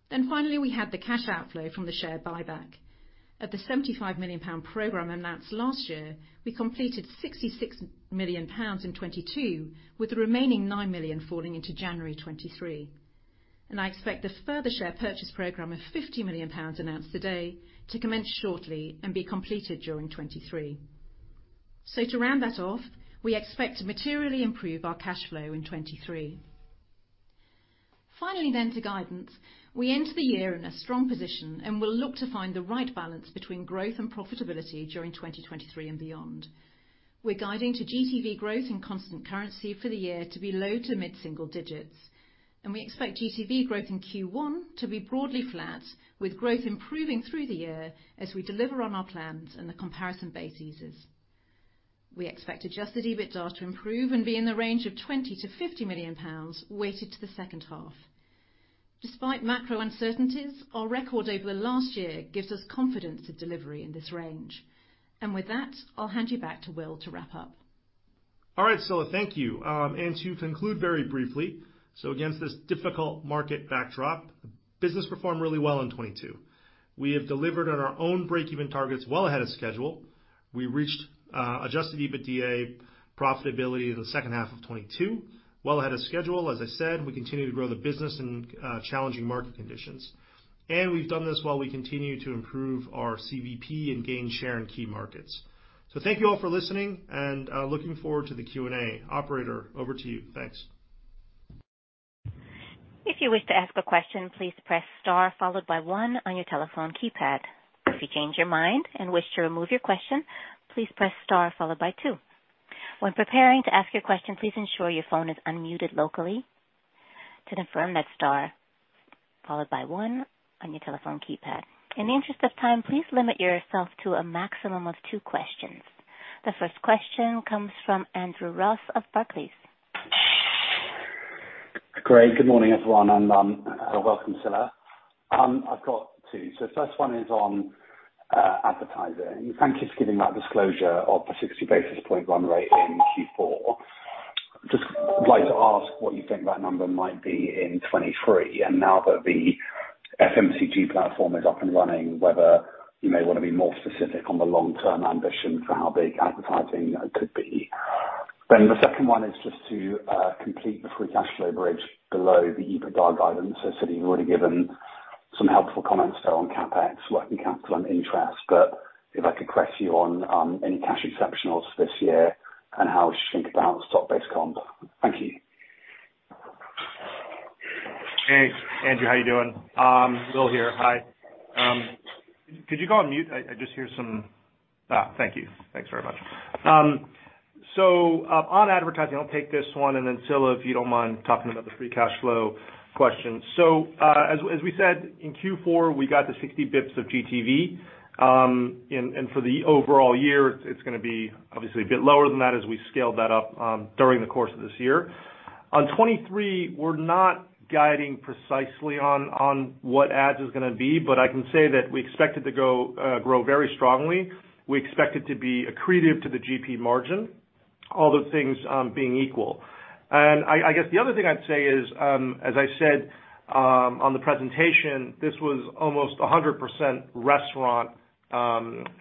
Finally, we had the cash outflow from the share buyback. Of the GBP 75 million program announced last year, we completed GBP 66 million in 2022, with the remaining GBP 9 million falling into January 2023. I expect a further share purchase program of GBP 50 million announced today to commence shortly and be completed during 2023. To round that off, we expect to materially improve our cash flow in 2023. Finally, to guidance. We enter the year in a strong position, and we'll look to find the right balance between growth and profitability during 2023 and beyond. We're guiding to GTV growth in constant currency for the year to be low to mid-single digits, and we expect GTV growth in Q1 to be broadly flat, with growth improving through the year as we deliver on our plans and the comparison base eases. We expect adjusted EBITDA to improve and be in the range of 20 million-50 million pounds, weighted to the H2. Despite macro uncertainties, our record over the last year gives us confidence of delivery in this range. With that, I'll hand you back to Will to wrap up. All right, Scilla. Thank you. To conclude very briefly, so against this difficult market backdrop, business performed really well in 2022. We have delivered on our own break-even targets well ahead of schedule. We reached adjusted EBITDA profitability in the second half of 2022, well ahead of schedule. As I said, we continue to grow the business in challenging market conditions. We've done this while we continue to improve our CVP and gain share in key markets. Thank you all for listening, and looking forward to the Q&A. Operator, over to you. Thanks. If you wish to ask a question, please press star followed by one on your telephone keypad. If you change your mind and wish to remove your question, please press star followed by two. When preparing to ask your question, please ensure your phone is unmuted locally. To confirm, that's star followed by one on your telephone keypad. In the interest of time, please limit yourself to a maximum of two questions. The first question comes from Andrew Ross of Barclays. Great. Good morning, everyone. Welcome, Scilla. I've got two. First one is on advertising. Thank you for giving that disclosure of the 60 basis point run rate in Q4. Just like to ask what you think that number might be in 2023. Now that the FMCG platform is up and running, whether you may wanna be more specific on the long-term ambition for how big advertising could be. The second one is just to complete the free cash flow bridge below the EBITDA guidance. I see you've already given some helpful comments there on CapEx, working capital, and interest. If I could press you on any cash exceptionals this year and how we should think about stock-based comp. Thank you. Hey, Andrew. How you doing? Will here. Hi. Could you go on mute? I just hear some... Thank you. Thanks very much. On advertising, I'll take this one, and then Scilla, if you don't mind talking about the free cash flow question. As we said, in Q4, we got the 60 basis points of GTV. For the overall year, it's gonna be obviously a bit lower than that as we scale that up during the course of this year. On 2023, we're not guiding precisely on what ads is gonna be, but I can say that we expect it to go grow very strongly. We expect it to be accretive to the GP margin, all those things being equal. I guess the other thing I'd say is, as I said, on the presentation, this was almost 100% restaurant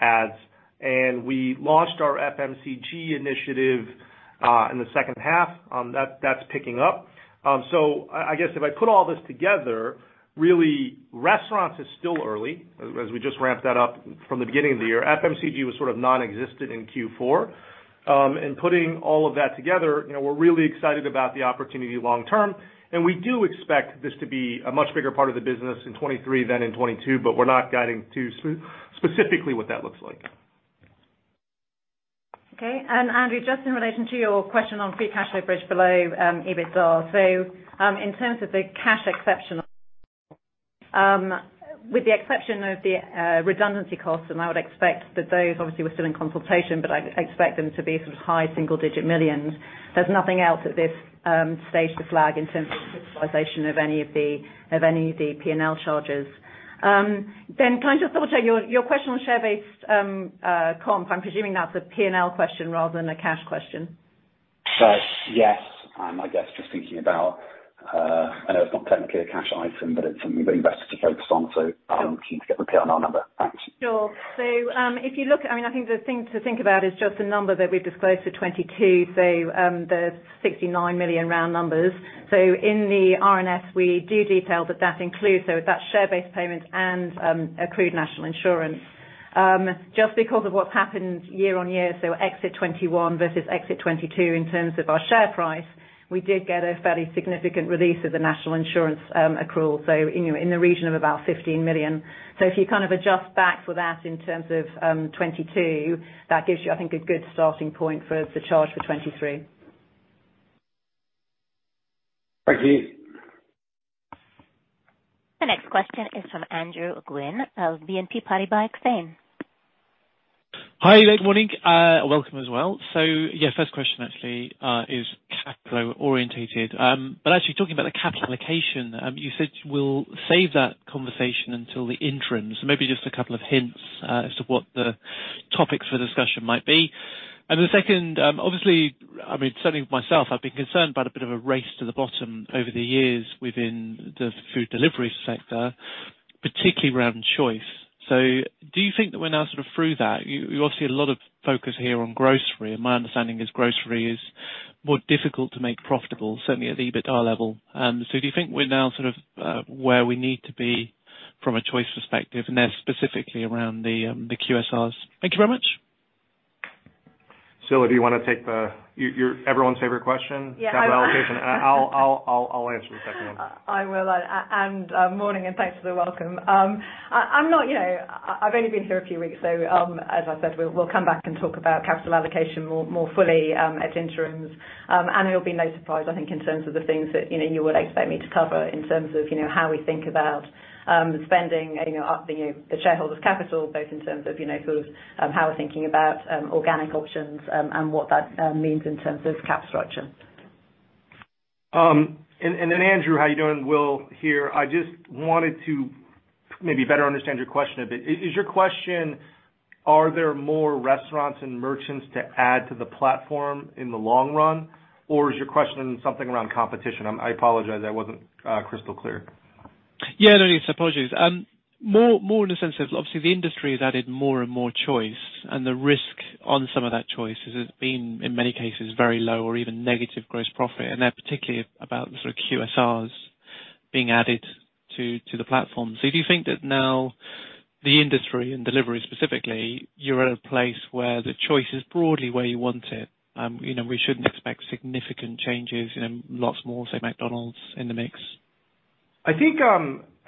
ads. We launched our FMCG initiative in the H2. That's picking up. I guess if I put all this together, really restaurants is still early, as we just ramp that up from the beginning of the year. FMCG was sort of nonexistent in Q4. Putting all of that together, you know, we're really excited about the opportunity long term, and we do expect this to be a much bigger part of the business in 2023 than in 2022, but we're not guiding to specifically what that looks like. Okay. Andrew, just in relation to your question on free cash flow bridge below, EBITDA. In terms of the cash exceptional, with the exception of the redundancy costs, I would expect that those obviously were still in consultation, but I'd expect them to be sort of high single digit millions. There's nothing else at this stage to flag in terms of utilization of any of the, of any of the P&L charges. Can I just double check your question on share-based comp? I'm presuming that's a P&L question rather than a cash question. Right. Yes. I guess just thinking about, I know it's not technically a cash item, but it's something that investors are focused on. I'm keen to get the P&L number. Thanks. Sure. I mean, I think the thing to think about is just the number that we disclosed for 2022. The 69 million round numbers. In the RNS, we do detail that that includes, that's share-based payments and accrued national insurance. Just because of what's happened year-on-year, exit 2021 versus exit 2022 in terms of our share price, we did get a fairly significant release of the national insurance accrual, you know, in the region of about 15 million. If you kind of adjust back for that in terms of 2022, that gives you, I think, a good starting point for the charge for 2023. Thank you. The next question is from Andrew Gwynn of BNP Paribas Exane. Hi, good morning. Welcome as well. Yeah, first question actually, is capital-orientated. But actually talking about the capital allocation, you said you will save that conversation until the interims, so maybe just a couple of hints as to what the topics for discussion might be. The second, obviously, I mean, certainly myself, I've been concerned about a bit of a race to the bottom over the years within the food delivery sector, particularly around choice. Do you think that we're now sort of through that? You obviously a lot of focus here on grocery, and my understanding is grocery is more difficult to make profitable, certainly at EBITDA level. Do you think we're now sort of where we need to be from a choice perspective, and then specifically around the QSRs? Thank you very much. Scilla, you're everyone's favorite question? Yeah. Capital allocation. I'll answer the second one. I will. Morning and thanks for the welcome. I'm not, you know... I've only been here a few weeks, so, as I said, we'll come back and talk about capital allocation more fully at interims. It'll be no surprise, I think in terms of the things that, you know, you would expect me to cover in terms of, you know, how we think about spending and, you know, upping the shareholders' capital both in terms of, you know, sort of, how we're thinking about organic options, and what that means in terms of Cap structure. Then Andrew, how you doing? Will here. I just wanted to maybe better understand your question a bit. Is your question, are there more restaurants and merchants to add to the platform in the long run? Is your question something around competition? I apologize that wasn't crystal clear. Yeah. No need for apologies. More, more in the sense of obviously the industry has added more and more choice, and the risk on some of that choice has been, in many cases, very low or even negative gross profit, and they're particularly about the sort of QSRs being added to the platform. Do you think that now the industry and delivery specifically, you're at a place where the choice is broadly where you want it? You know, we shouldn't expect significant changes, you know, lots more, say, McDonald's in the mix. I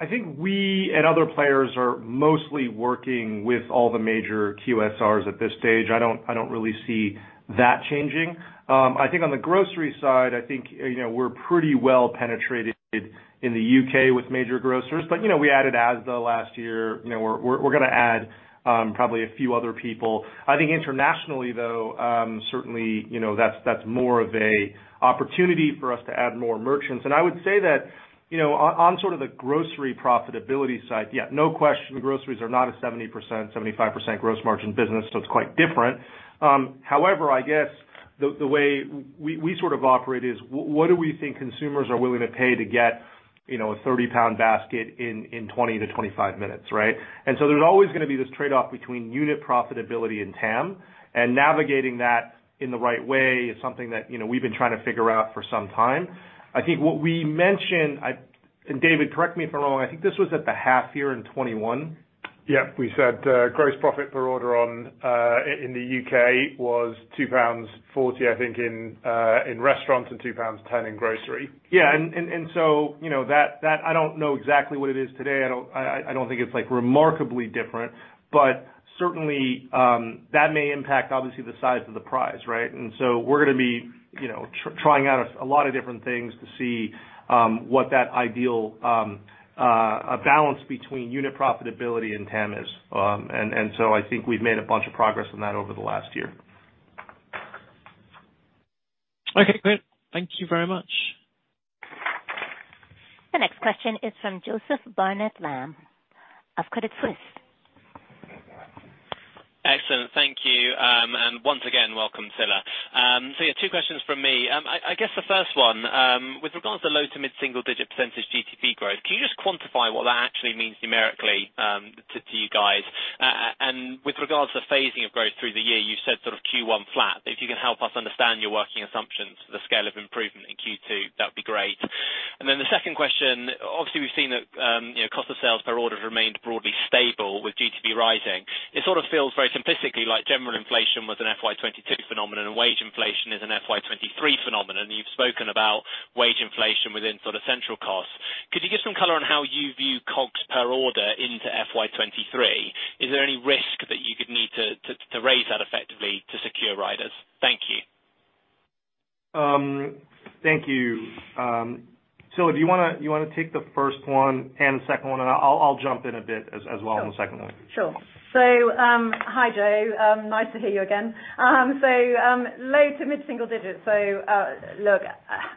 think we and other players are mostly working with all the major QSRs at this stage. I don't really see that changing. I think on the grocery side, you know, we're pretty well penetrated in the U.K. with major grocers, but you know, we added Asda last year. You know, we're gonna add, probably a few other people. I think internationally though, certainly, you know, that's more of a opportunity for us to add more merchants. I would say that, you know, on sort of the grocery profitability side, yeah, no question, groceries are not a 70%, 75% gross margin business, so it's quite different. However, I guess the way we sort of operate is what do we think consumers are willing to pay to get, you know, a 30 basket in 20 to 25 minutes, right? There's always gonna be this trade-off between unit profitability and TAM, and navigating that in the right way is something that, you know, we've been trying to figure out for some time. I think what we mentioned, and David, correct me if I'm wrong, I think this was at the half year in 2021. Yep. We said, gross profit per order in the U.K. was 2.40 pounds, I think in restaurants and 2.10 pounds in grocery. Yeah. You know, that I don't know exactly what it is today. I don't think it's like remarkably different, but certainly, that may impact obviously the size of the prize, right? We're gonna be, you know, trying out a lot of different things to see what that ideal balance between unit profitability and TAM is. I think we've made a bunch of progress on that over the last year. Okay, great. Thank you very much. The next question is from Joseph Barnet-Lamb of Credit Suisse. Excellent. Thank you. Once again, welcome, Scilla. Two questions from me. I guess the first one, with regards to low to mid single digit % GTV growth, can you just quantify what that actually means numerically, to you guys? With regards to phasing of growth through the year, you said sort of Q1 flat. If you can help us understand your working assumptions, the scale of improvement in Q2, that would be great. The second question, obviously we've seen that, you know, cost of sales per order has remained broadly stable with GTV rising. It sort of feels very simplistically like general inflation was an FY 2022 phenomenon and wage inflation is an FY 2023 phenomenon. You've spoken about wage inflation within sort of central costs. Could you give some color on how you view COGS per order into FY 2023? Is there any risk that you could need to raise that effectively to secure riders? Thank you. Thank you. Scilla, do you wanna take the first one and the second one, and I'll jump in a bit as well on the second one. Sure. Hi, Joe. Nice to hear you again. Low to mid single digits. Look,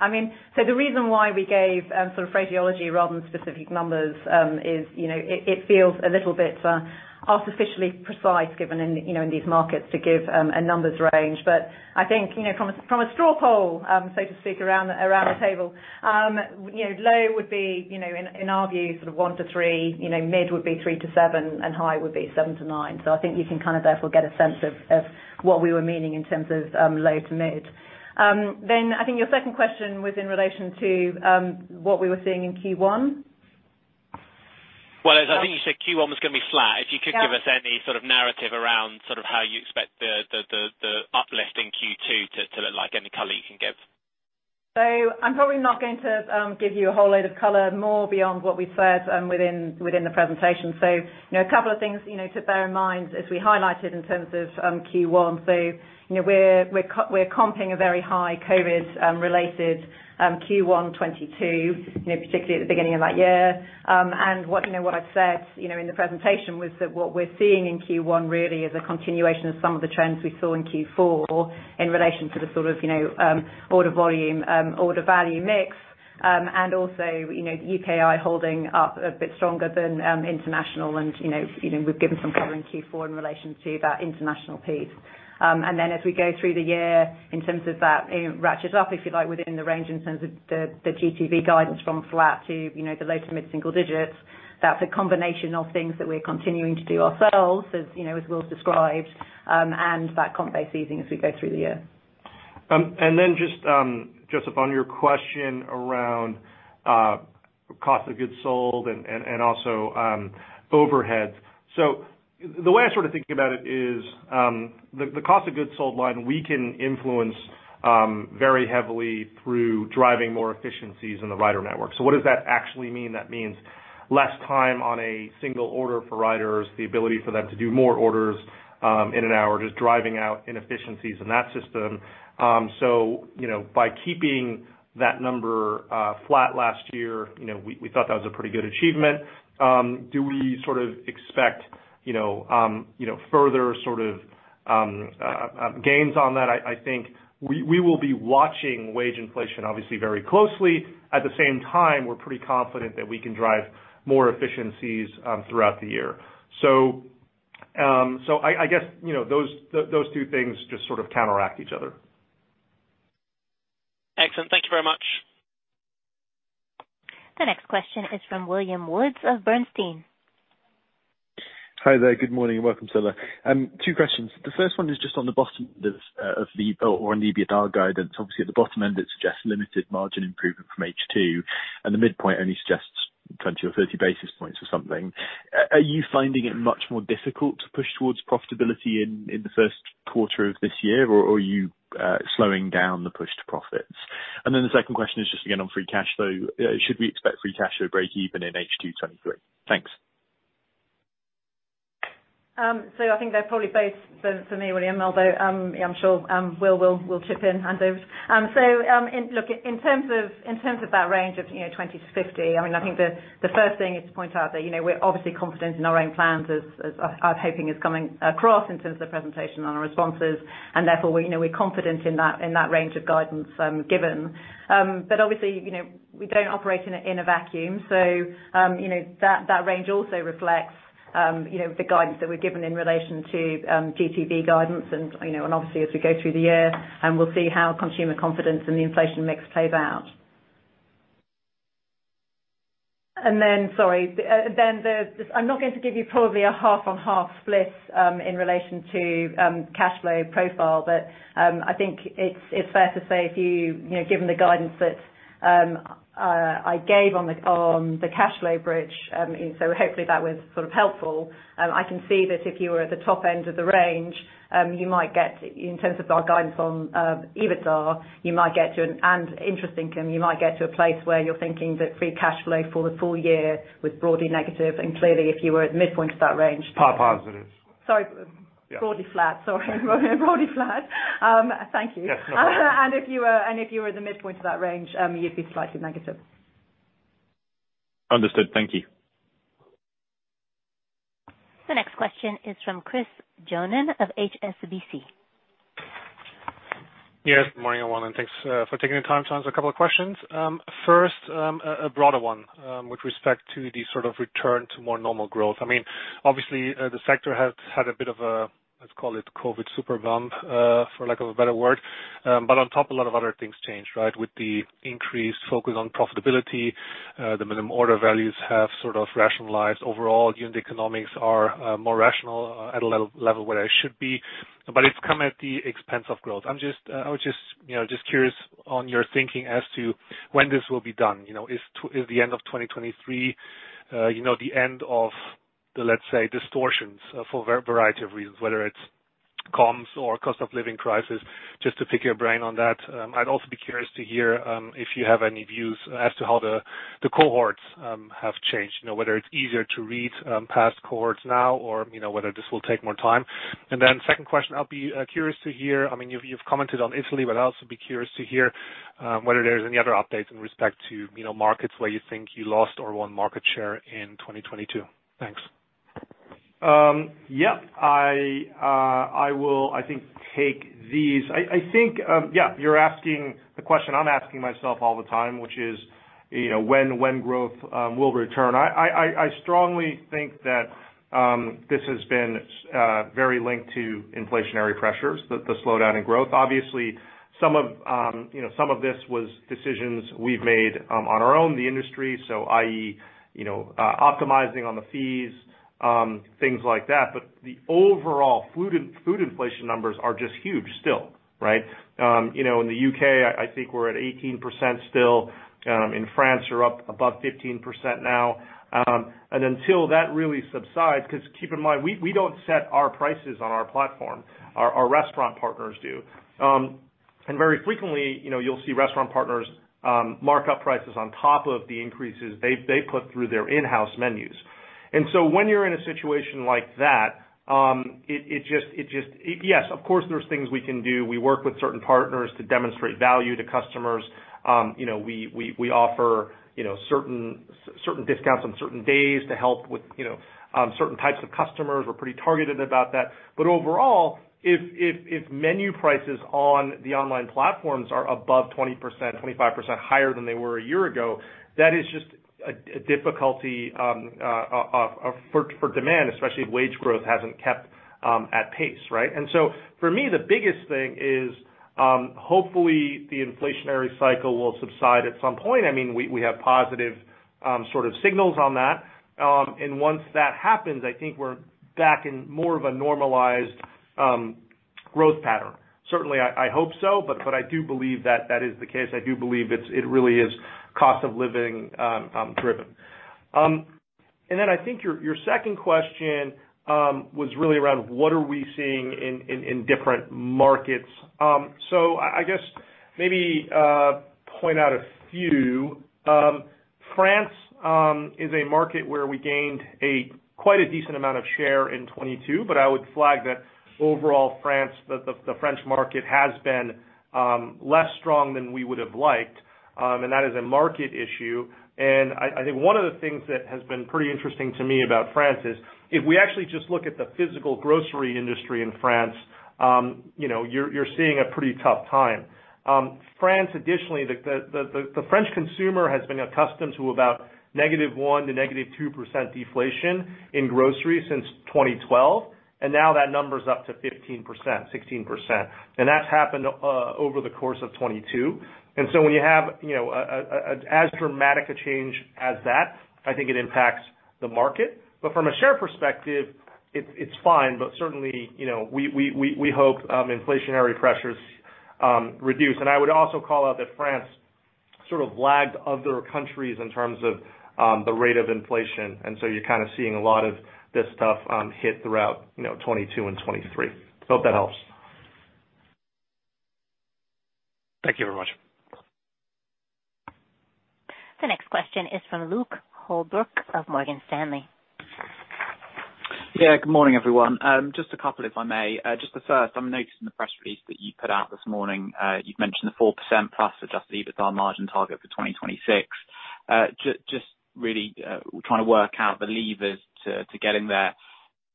I mean... The reason why we gave sort of phraseology rather than specific numbers is, you know, it feels a little bit artificially precise given in, you know, in these markets to give a numbers range. I think, you know, from a straw poll, so to speak, around the table, you know, low would be, you know, in our view, sort of one-three. You know, mid would be three-seven, and high would be seven-nine. I think you can kind of therefore get a sense of what we were meaning in terms of low to mid. I think your second question was in relation to what we were seeing in Q1? Well, as I think you said Q1 was gonna be flat. If you could give us any narrative around sort of how you expect the uplift in Q2 to look like. Any color you can give. I'm probably not going to give you a whole load of color more beyond what we said within the presentation. A couple of things, you know, to bear in mind as we highlighted in terms of Q1. We're comping a very high COVID related Q1 2022, you know, particularly at the beginning of that year. What, you know, what I've said, you know, in the presentation was that what we're seeing in Q1 really is a continuation of some of the trends we saw in Q4 in relation to the sort of, you know, order volume, order value mix, and also, you know, the UKI holding up a bit stronger than international and, you know, we've given some color in Q4 in relation to that international piece. As we go through the year in terms of that, it ratchets up, if you like, within the range in terms of the GTV guidance from flat to, you know, the low to mid-single digits. That's a combination of things that we're continuing to do ourselves as, you know, as Will described, and that comp base easing as we go through the year. And then just upon your question around cost of goods sold and also overheads. The way I sort of think about it is the cost of goods sold line we can influence very heavily through driving more efficiencies in the rider network. What does that actually mean? That means less time on a single order for riders, the ability for them to do more orders in an hour, just driving out inefficiencies in that system. So, you know, by keeping that number flat last year, you know, we thought that was a pretty good achievement. Do we sort of expect, you know, further sort of gains on that? I think we will be watching wage inflation obviously very closely. At the same time, we're pretty confident that we can drive more efficiencies throughout the year. I guess, you know, those two things just sort of counteract each other. Excellent. Thank you very much. The next question is from William Woods of Bernstein. Hi there. Good morning and welcome to. Two questions. The first one is just on the bottom end or on the EBITDA guidance. Obviously at the bottom end it suggests limited margin improvement from H2, and the midpoint only suggests 20 or 30 basis points or something. Are you finding it much more difficult to push towards profitability in the Q1 of this year, or are you slowing down the push to profits? The second question is just again on free cash flow. Should we expect free cash flow breakeven in H2 2023? Thanks. I think they're probably both for me, William, although, I'm sure, Will will chip in hand over. Look, in terms of that range of, you know, 20 to 50, I mean, I think the first thing is to point out that, you know, we're obviously confident in our own plans as I'm hoping is coming across in terms of the presentation on our responses, and therefore we're, you know, we're confident in that, in that range of guidance, given. Obviously, you know, we don't operate in a, in a vacuum. You know, that range also reflects, you know, the guidance that we've given in relation to GTV guidance and, you know, and obviously as we go through the year and we'll see how consumer confidence and the inflation mix play out. Sorry, I'm not going to give you probably a half on half split in relation to cash flow profile. I think it's fair to say if you know, given the guidance that I gave on the, on the cash flow bridge, hopefully that was sort of helpful. I can see that if you were at the top end of the range, you might get in terms of our guidance on EBITDA, you might get to and interesting, you might get to a place where you're thinking that free cash flow for the full year was broadly negative, and clearly if you were at the midpoint of that range- Positive. Sorry. Yeah. Sorry broadly flat. Thank you. Yes. No. If you were at the midpoint of that range, you'd be slightly negative. Understood. Thank you. The next question is from Chris Johnen of HSBC. Yes. Good morning, everyone, and thanks for taking the time to answer a couple of questions. First, a broader one, with respect to the sort of return to more normal growth. I mean, obviously, the sector has had a bit of a, let's call it COVID super bump, for lack of a better word. On top a lot of other things changed, right? With the increased focus on profitability, the minimum order values have sort of rationalized. Overall unit economics are more rational at a level where they should be, but it's come at the expense of growth. I was just, you know, just curious on your thinking as to when this will be done? You know, is the end of 2023, you know, the end of the, let's say, distortions for variety of reasons, whether it's comms or cost of living crisis, just to pick your brain on that. I'd also be curious to hear if you have any views as to how the cohorts have changed. You know, whether it's easier to read past cohorts now or, you know, whether this will take more time. Second question, I'll be curious to hear... I mean, you've commented on Italy, but I'd also be curious to hear whether there's any other updates in respect to, you know, markets where you think you lost or won market share in 2022? Thanks. Yeah. I will, I think, take these. I think, yeah, you're asking the question I'm asking myself all the time, which is, you know, when growth will return. I strongly think that this has been very linked to inflationary pressures, the slowdown in growth. Obviously, some of, you know, some of this was decisions we've made on our own, the industry, so i.e., you know, optimizing on the fees, things like that. The overall food inflation numbers are just huge still, right? You know, in the U.K., I think we're at 18% still. In France are up above 15% now. Until that really subsides, 'cause keep in mind, we don't set our prices on our platform, our restaurant partners do. Very frequently, you know, you'll see restaurant partners mark up prices on top of the increases they put through their in-house menus. When you're in a situation like that, yes, of course, there's things we can do. We work with certain partners to demonstrate value to customers. You know, we offer, you know, certain discounts on certain days to help with, you know, certain types of customers. We're pretty targeted about that. Overall, if menu prices on the online platforms are above 20%, 25% higher than they were a year ago, that is just a difficulty for demand, especially if wage growth hasn't kept at pace, right? For me, the biggest thing is, hopefully the inflationary cycle will subside at some point. I mean, we have positive sort of signals on that. Once that happens, I think we're back in more of a normalized growth pattern. Certainly, I hope so, but I do believe that that is the case. I do believe it's really is cost of living driven. Then I think your second question was really around what are we seeing in different markets. I guess maybe point out a few. France is a market where we gained a quite a decent amount of share in 2022. I would flag that overall France, the French market has been less strong than we would have liked. That is a market issue. I think one of the things that has been pretty interesting to me about France is if we actually just look at the physical grocery industry in France, you know, you're seeing a pretty tough time. France, additionally, the French consumer has been accustomed to about -1% to -2% deflation in groceries since 2012. Now that number's up to 15%, 16%. That's happened over the course of 2022. When you have, you know, a as dramatic a change as that, I think it impacts the market. From a share perspective, it's fine, but certainly, you know, we hope inflationary pressures reduce. I would also call out that France sort of lagged other countries in terms of the rate of inflation, and so you're kind of seeing a lot of this stuff hit throughout, you know, 2022 and 2023. Hope that helps. Thank you very much. The next question is from Luke Holbrook of Morgan Stanley. Good morning, everyone. Just a couple, if I may. Just the first, I'm noticing the press release that you put out this morning, you'd mentioned the 4% plus adjusted EBITDA margin target for 2026. Just really trying to work out the levers to getting there,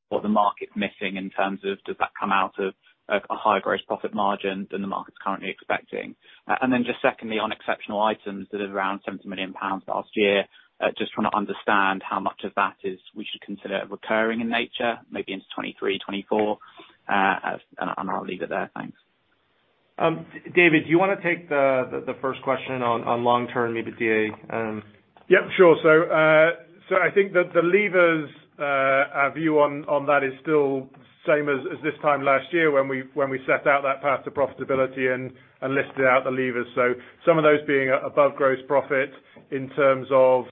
what the market's missing in terms of does that come out of a higher gross profit margin than the market's currently expecting. Then just secondly, on exceptional items that are around 70 million pounds last year, just trying to understand how much of that is we should consider recurring in nature, maybe into 2023, 2024, and I'll leave it there. Thanks. David, do you wanna take the first question on long-term EBITDA? Yep, sure. I think that the levers, our view on that is still same as this time last year when we set out that path to profitability and listed out the levers. Some of those being above gross profit in terms of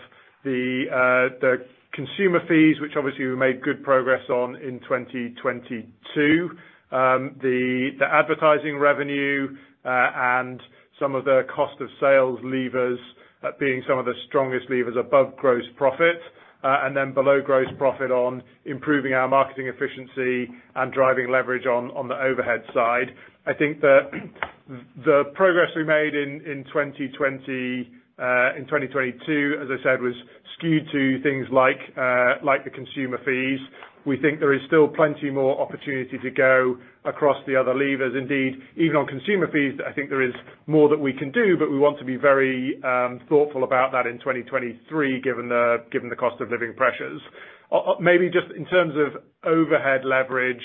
the consumer fees, which obviously we made good progress on in 2022. The advertising revenue and some of the cost of sales levers being some of the strongest levers above gross profit, and then below gross profit on improving our marketing efficiency and driving leverage on the overhead side. I think the progress we made in 2022, as I said, was skewed to things like the consumer fees. We think there is still plenty more opportunity to go across the other levers. Indeed, even on consumer fees, I think there is more that we can do, but we want to be very thoughtful about that in 2023, given the cost of living pressures. Maybe just in terms of overhead leverage,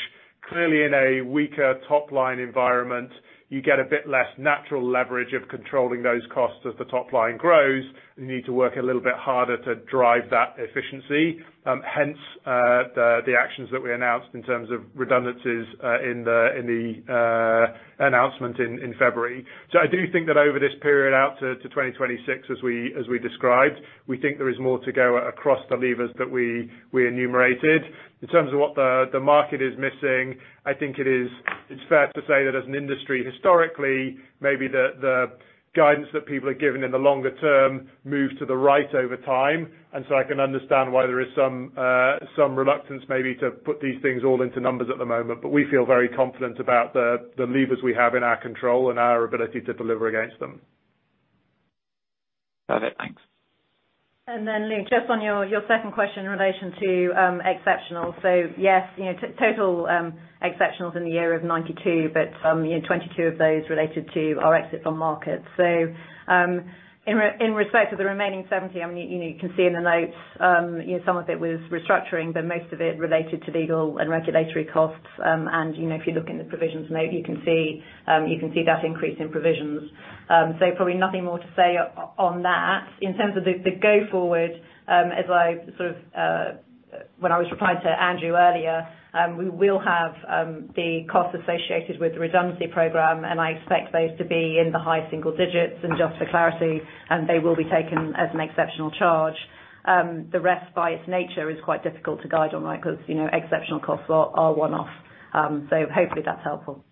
clearly in a weaker top-line environment, you get a bit less natural leverage of controlling those costs as the top line grows. You need to work a little bit harder to drive that efficiency, hence the actions that we announced in terms of redundancies in the announcement in February. I do think that over this period out to 2026, as we described, we think there is more to go across the levers that we enumerated. In terms of what the market is missing, I think it's fair to say that as an industry, historically, maybe the guidance that people are given in the longer term moves to the right over time. I can understand why there is some reluctance maybe to put these things all into numbers at the moment. We feel very confident about the levers we have in our control and our ability to deliver against them. Got it. Thanks. Luke, just on your second question in relation to exceptional. Yes, you know, total exceptionals in the year of 92, but, you know, 22 of those related to our exit from market. In respect to the remaining 70, I mean, you can see in the notes, you know, some of it was restructuring, but most of it related to legal and regulatory costs. You know, if you look in the provisions note, you can see that increase in provisions. Probably nothing more to say on that. In terms of the go forward, when I was replying to Andrew earlier, we will have the cost associated with the redundancy program. I expect those to be in the high single digits. Just for clarity, they will be taken as an exceptional charge. The rest by its nature is quite difficult to guide on, right? Because, you know, exceptional costs are one-off. Hopefully that's helpful.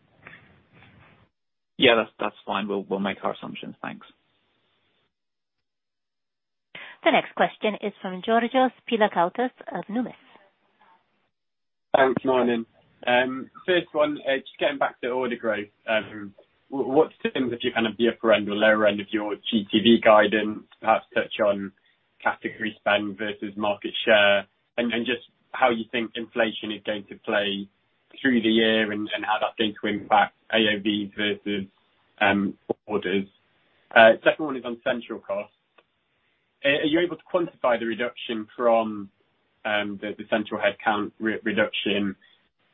Yeah, that's fine. We'll make our assumptions. Thanks. The next question is from Georgios Pilakoutas of Numis. Thanks. Morning. First one, just getting back to order growth, what's the image of kind of the upper end or lower end of your GTV guidance perhaps touch on category spend versus market share and just how you think inflation is going to play through the year and how that's going to impact AOV versus orders? Second one is on central costs. Are you able to quantify the reduction from the central headcount re-reduction?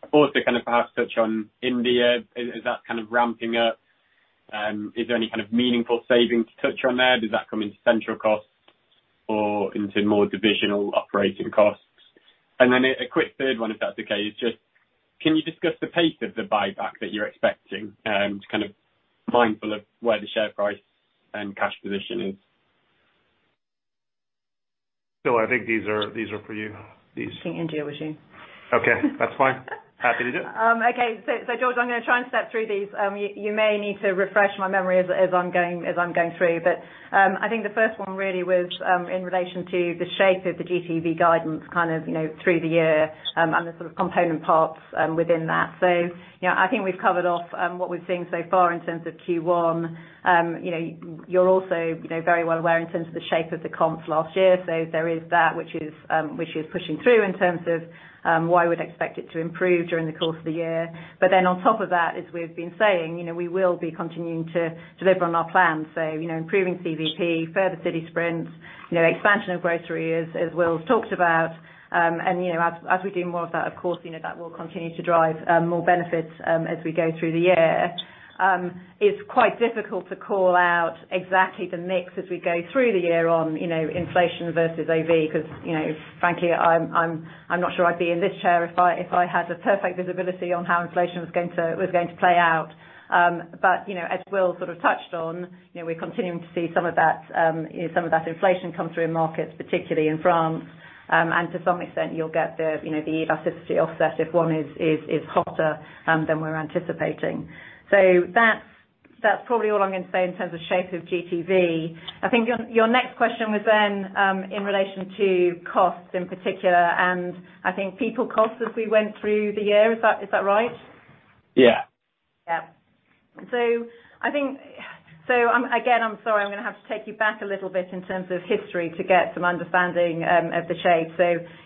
I thought to kind of perhaps touch on India. Is that kind of ramping up? Is there any kind of meaningful savings to touch on there? Does that come into central costs or into more divisional operating costs? Then a quick third one if that's okay, is just can you discuss the pace of the buyback that you're expecting, to kind of mindful of where the share price and cash position is? Scil, I think these are for you. I think India was you. Okay. That's fine. Happy to do it. Okay. George, I'm gonna try and step through these. You may need to refresh my memory as I'm going through. I think the first one really was in relation to the shape of the GTV guidance, kind of, you know, through the year, and the sort of component parts within that. You know, I think we've covered off what we've seen so far in terms of Q1. You know, you're also, you know, very well aware in terms of the shape of the comps last year. There is that which is pushing through in terms of why I would expect it to improve during the course of the year. On top of that, as we've been saying, you know, we will be continuing to deliver on our plans. Improving CVP, further city sprints, you know, expansion of grocery as Will's talked about. As we do more of that, of course, you know, that will continue to drive more benefits as we go through the year. It's quite difficult to call out exactly the mix as we go through the year on, you know, inflation versus AV because, you know, frankly, I'm not sure I'd be in this chair if I had the perfect visibility on how inflation was going to play out. You know, as Will sort of touched on, you know, we're continuing to see some of that, you know, some of that inflation come through in markets, particularly in France. To some extent you'll get the, you know, the elasticity offset if one is hotter, than we're anticipating. That's probably all I'm going to say in terms of shape of GTV. I think your next question was then, in relation to costs in particular and I think people costs as we went through the year. Is that right? Yeah. Yeah. I'm, again, I'm sorry, I'm gonna have to take you back a little bit in terms of history to get some understanding of the shape.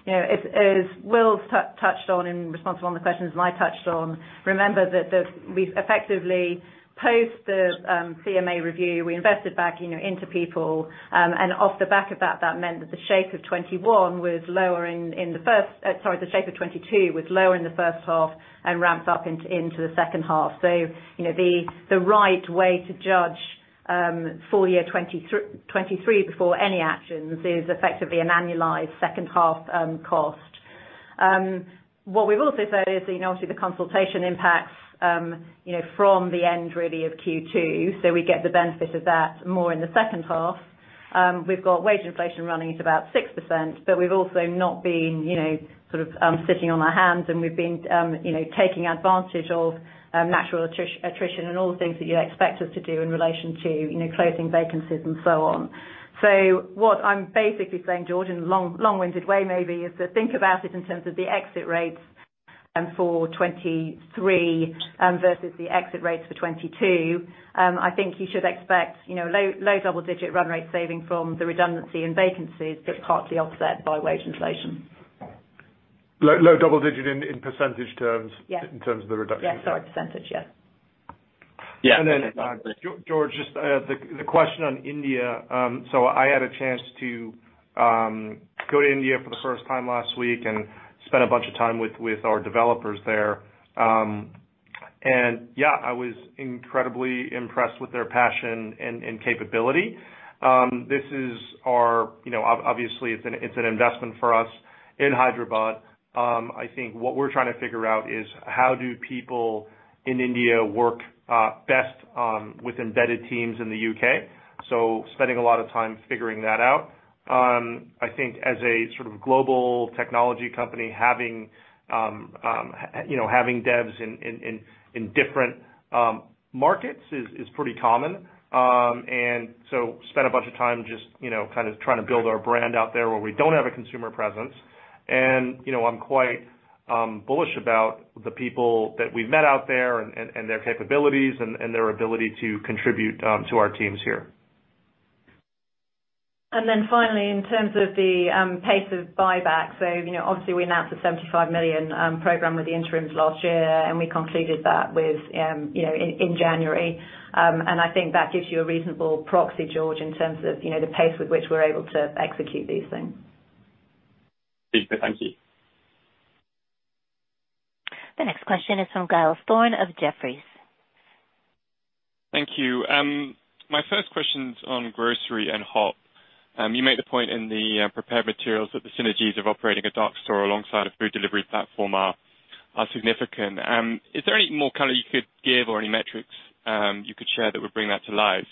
You know, as Will's touched on in response to one of the questions and I touched on, remember that we've effectively post the CMA review, we invested back, you know, into people. Off the back of that meant that the shape of 2021 was lower in the first, sorry, the shape of 2022 was lower in the H1 and ramps up into the H2. You know, the right way to judge full year 2023 before any actions is effectively an annualized H2 cost. What we've also said is, you know, obviously the consultation impacts, you know, from the end really of Q2, so we get the benefit of that more in the H2. We've got wage inflation running at about 6%, but we've also not been, you know, sort of, sitting on our hands and we've been, you know, taking advantage of natural attrition and all the things that you expect us to do in relation to, you know, closing vacancies and so on. What I'm basically saying, George, in a long-winded way maybe, is to think about it in terms of the exit rates for 2023 versus the exit rates for 2022. I think you should expect, you know, low double-digit run rate saving from the redundancy and vacancies, but partly offset by wage inflation. Low double-digit in % terms. In terms of the reduction. Yeah. Sorry. %. Yeah. Yeah. George, just the question on India. I had a chance to go to India for the first time last week and spend a bunch of time with our developers there. Yeah, I was incredibly impressed with their passion and capability. This is our, you know, obviously it's an investment for us in Hyderabad. I think what we're trying to figure out is how do people in India work best with embedded teams in the U.K.? Spending a lot of time figuring that out. I think as a sort of global technology company having, you know, having devs in different markets is pretty common. Spent a bunch of time just, you know, kind of trying to build our brand out there where we don't have a consumer presence. You know, I'm quite bullish about the people that we've met out there and their capabilities and their ability to contribute to our teams here. Finally, in terms of the pace of buyback. You know, obviously we announced a 75 million program with the interims last year, and we concluded that with, you know, in January. I think that gives you a reasonable proxy, George, in terms of, you know, the pace with which we're able to execute these things. Thank you. The next question is from Giles Thorne of Jefferies. Thank you. My first question's on grocery and Hop. You made the point in the prepared materials that the synergies of operating a dark store alongside a food delivery platform are significant. Is there any more color you could give or any metrics you could share that would bring that to life?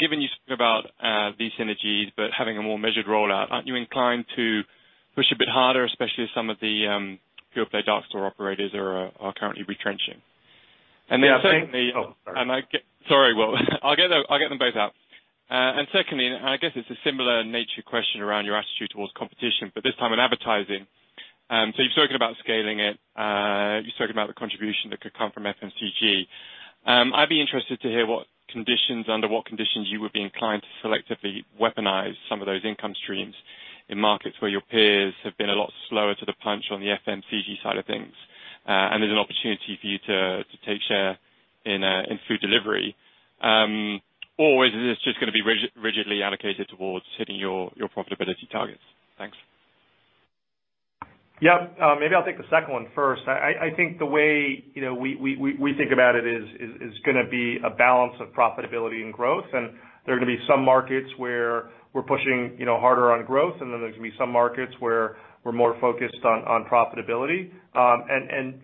Given you spoke about these synergies, but having a more measured rollout, aren't you inclined to push a bit harder, especially as some of the pure play dark store operators are currently retrenching? Secondly- Yeah. Oh, sorry. Sorry, Will. I'll get them, I'll get them both out. Secondly, I guess it's a similar nature question around your attitude towards competition, but this time in advertising. You've spoken about scaling it. You've spoken about the contribution that could come from FMCG. I'd be interested to hear what conditions, under what conditions you would be inclined to selectively weaponize some of those income streams in markets where your peers have been a lot slower to the punch on the FMCG side of things, and there's an opportunity for you to take share in food delivery. Or is this just gonna be rigidly allocated towards hitting your profitability targets? Thanks. Yeah. Maybe I'll take the second one first. I think the way, you know, we think about it is gonna be a balance of profitability and growth. There are gonna be some markets where we're pushing, you know, harder on growth, and then there's gonna be some markets where we're more focused on profitability.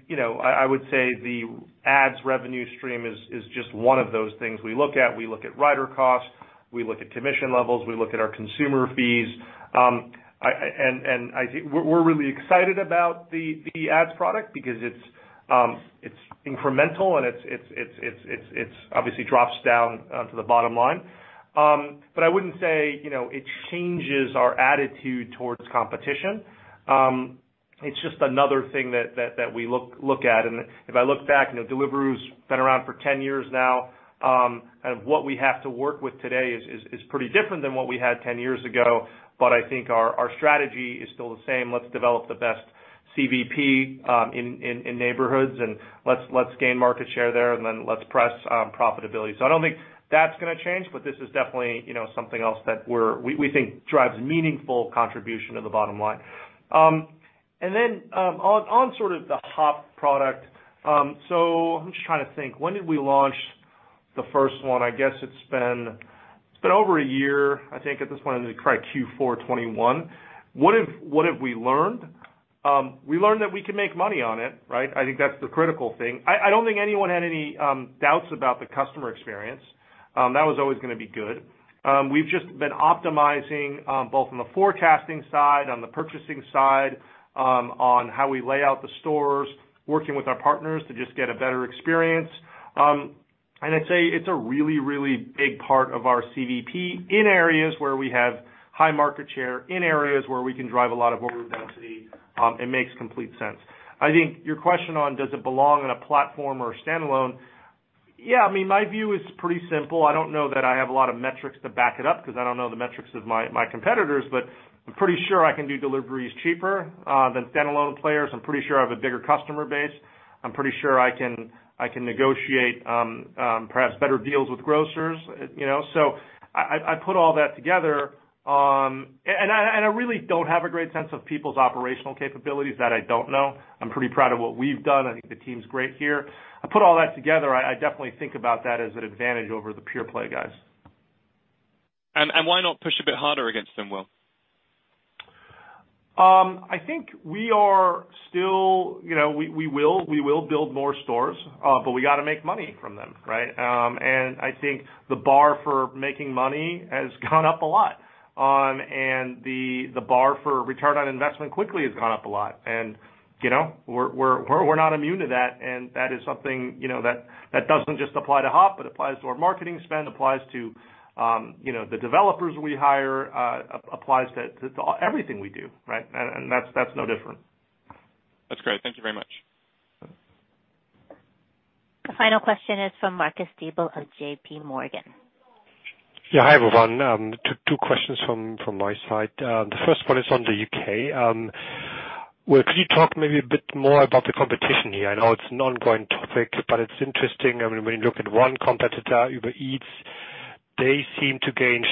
You know, I would say the ads revenue stream is just one of those things we look at. We look at rider costs, we look at commission levels, we look at our consumer fees. I think we're really excited about the ads product because it's incremental and it's obviously drops down to the bottom line. I wouldn't say, you know, it changes our attitude towards competition. It's just another thing that we look at. If I look back, you know, Deliveroo's been around for 10 years now. What we have to work with today is pretty different than what we had 10 years ago. I think our strategy is still the same. Let's develop the best CVP in neighborhoods and let's gain market share there and then let's press profitability. I don't think that's gonna change, but this is definitely, you know, something else that we think drives meaningful contribution to the bottom line. Then on sort of the Hop product. I'm just trying to think, when did we launch the first one? I guess it's been over a year. I think at this point it was probably Q4 2021. What have we learned? We learned that we can make money on it, right? I think that's the critical thing. I don't think anyone had any doubts about the customer experience. That was always gonna be good. We've just been optimizing, both on the forecasting side, on the purchasing side, on how we lay out the stores, working with our partners to just get a better experience. I'd say it's a really, really big part of our CVP in areas where we have high market share, in areas where we can drive a lot of order density, it makes complete sense. I think your question on does it belong in a platform or a standalone? Yeah, I mean, my view is pretty simple. I don't know that I have a lot of metrics to back it up because I don't know the metrics of my competitors, but I'm pretty sure I can do deliveries cheaper than standalone players. I'm pretty sure I have a bigger customer base. I'm pretty sure I can negotiate perhaps better deals with grocers, you know? I put all that together, and I really don't have a great sense of people's operational capabilities. That I don't know. I'm pretty proud of what we've done. I think the team's great here. I put all that together, I definitely think about that as an advantage over the pure play guys. Why not push a bit harder against them, Will? I think we are still, you know, we will build more stores, but we gotta make money from them, right? I think the bar for making money has gone up a lot. The bar for return on investment quickly has gone up a lot. You know, we're not immune to that, and that is something, you know, that doesn't just apply to Hop, it applies to our marketing spend, applies to, you know, the developers we hire, applies to everything we do, right? That's, that's no different. That's great. Thank you very much. The final question is from Marcus Diebel of J.P. Morgan. Hi, everyone. Two questions from my side. The first one is on the U.K. Will, could you talk maybe a bit more about the competition here? I know it's an ongoing topic, but it's interesting. I mean, when you look at one competitor, Uber Eats, they seem to gain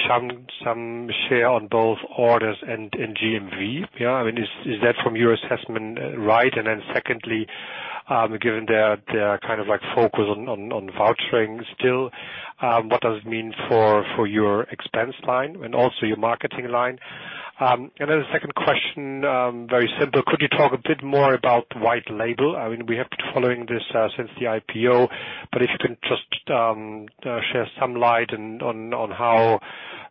some share on both orders and GMV. I mean, is that from your assessment right? Secondly, given their kind of like focus on vouchering still, what does it mean for your expense line and also your marketing line? The second question, very simple. Could you talk a bit more about white label? I mean, we have been following this since the IPO, if you can just share some light on how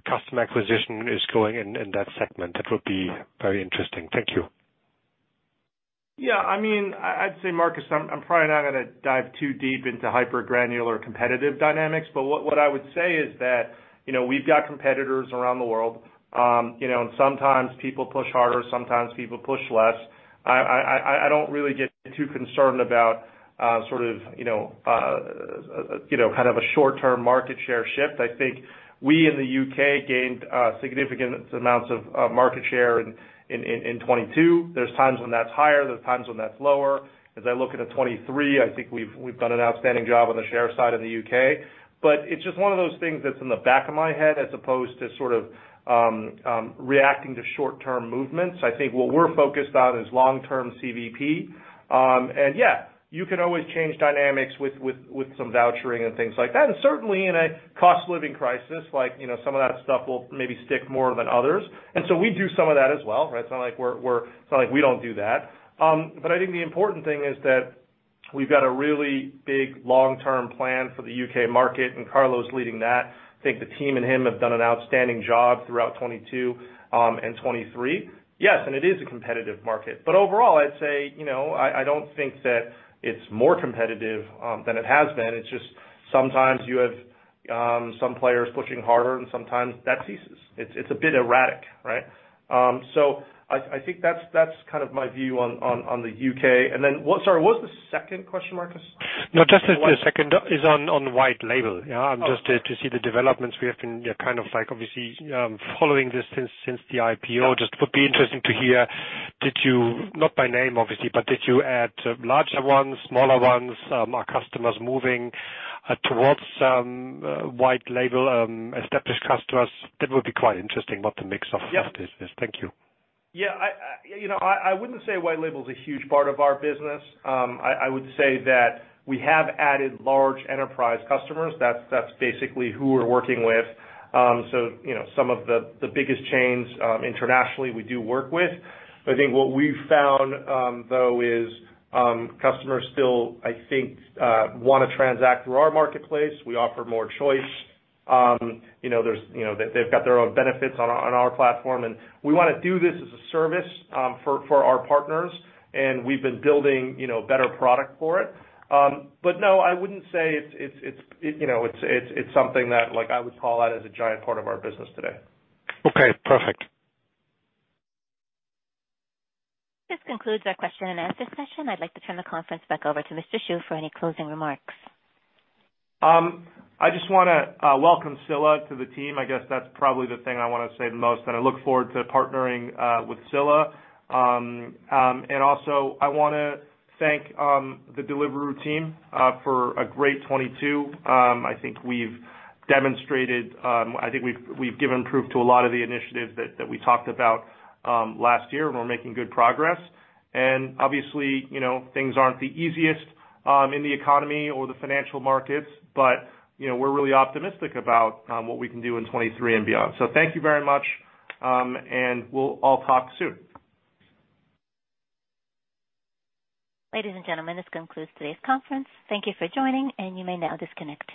customer acquisition is going in that segment, that would be very interesting. Thank you. Yeah, I mean, I'd say, Marcus, I'm probably not gonna dive too deep into hyper-granular competitive dynamics, but what I would say is that, you know, we've got competitors around the world. You know, and sometimes people push harder, sometimes people push less. I don't really get too concerned about sort of, you know, kind of a short-term market share shift. I think we in the U.K. gained significant amounts of market share in 2022. There's times when that's higher, there's times when that's lower. As I look into 2023, I think we've done an outstanding job on the share side in the U.K. It's just one of those things that's in the back of my head as opposed to sort of, reacting to short-term movements. I think what we're focused on is long-term CVP. Yeah, you can always change dynamics with some vouchering and things like that. Certainly in a cost living crisis, you know, some of that stuff will maybe stick more than others. So we do some of that as well, right? It's not like we don't do that. I think the important thing is that we've got a really big long-term plan for the U.K. market, and Carlo's leading that. I think the team and him have done an outstanding job throughout 2022 and 2023. Yes, it is a competitive market. Overall, I'd say, you know, I don't think that it's more competitive than it has been. It's just sometimes you have some players pushing harder, and sometimes that ceases. It's, it's a bit erratic, right? I think that's kind of my view on the U.K. Sorry, what was the second question, Marcus? No, just the second is on white label. Yeah. Oh, okay. Just to see the developments. We have been kind of like obviously, following this since the IPO. Just would be interesting to hear, did you, not by name obviously, but did you add larger ones, smaller ones? Are customers moving towards white label, established customers? That would be quite interesting, what the mix of that is. Yeah. Thank you. Yeah, I, you know, I wouldn't say white label is a huge part of our business. I would say that we have added large enterprise customers. That's basically who we're working with. You know, some of the biggest chains internationally we do work with. I think what we've found though is customers still, I think, wanna transact through our marketplace. We offer more choice. You know, they've got their own benefits on our platform, and we wanna do this as a service for our partners, and we've been building, you know, better product for it. No, I wouldn't say it's, you know, it's something that, like I would call out as a giant part of our business today. Okay, perfect. This concludes our question and answer session. I'd like to turn the conference back over to Mr. Shu for any closing remarks. I just wanna welcome Scilla to the team. I guess that's probably the thing I wanna say the most. I look forward to partnering with Scilla. Also I wanna thank the Deliveroo team for a great 2022. I think we've demonstrated, I think we've given proof to a lot of the initiatives that we talked about last year, and we're making good progress. Obviously, you know, things aren't the easiest in the economy or the financial markets, but, you know, we're really optimistic about what we can do in 2023 and beyond. Thank you very much, and we'll all talk soon. Ladies and gentlemen, this concludes today's conference. Thank you for joining. You may now disconnect.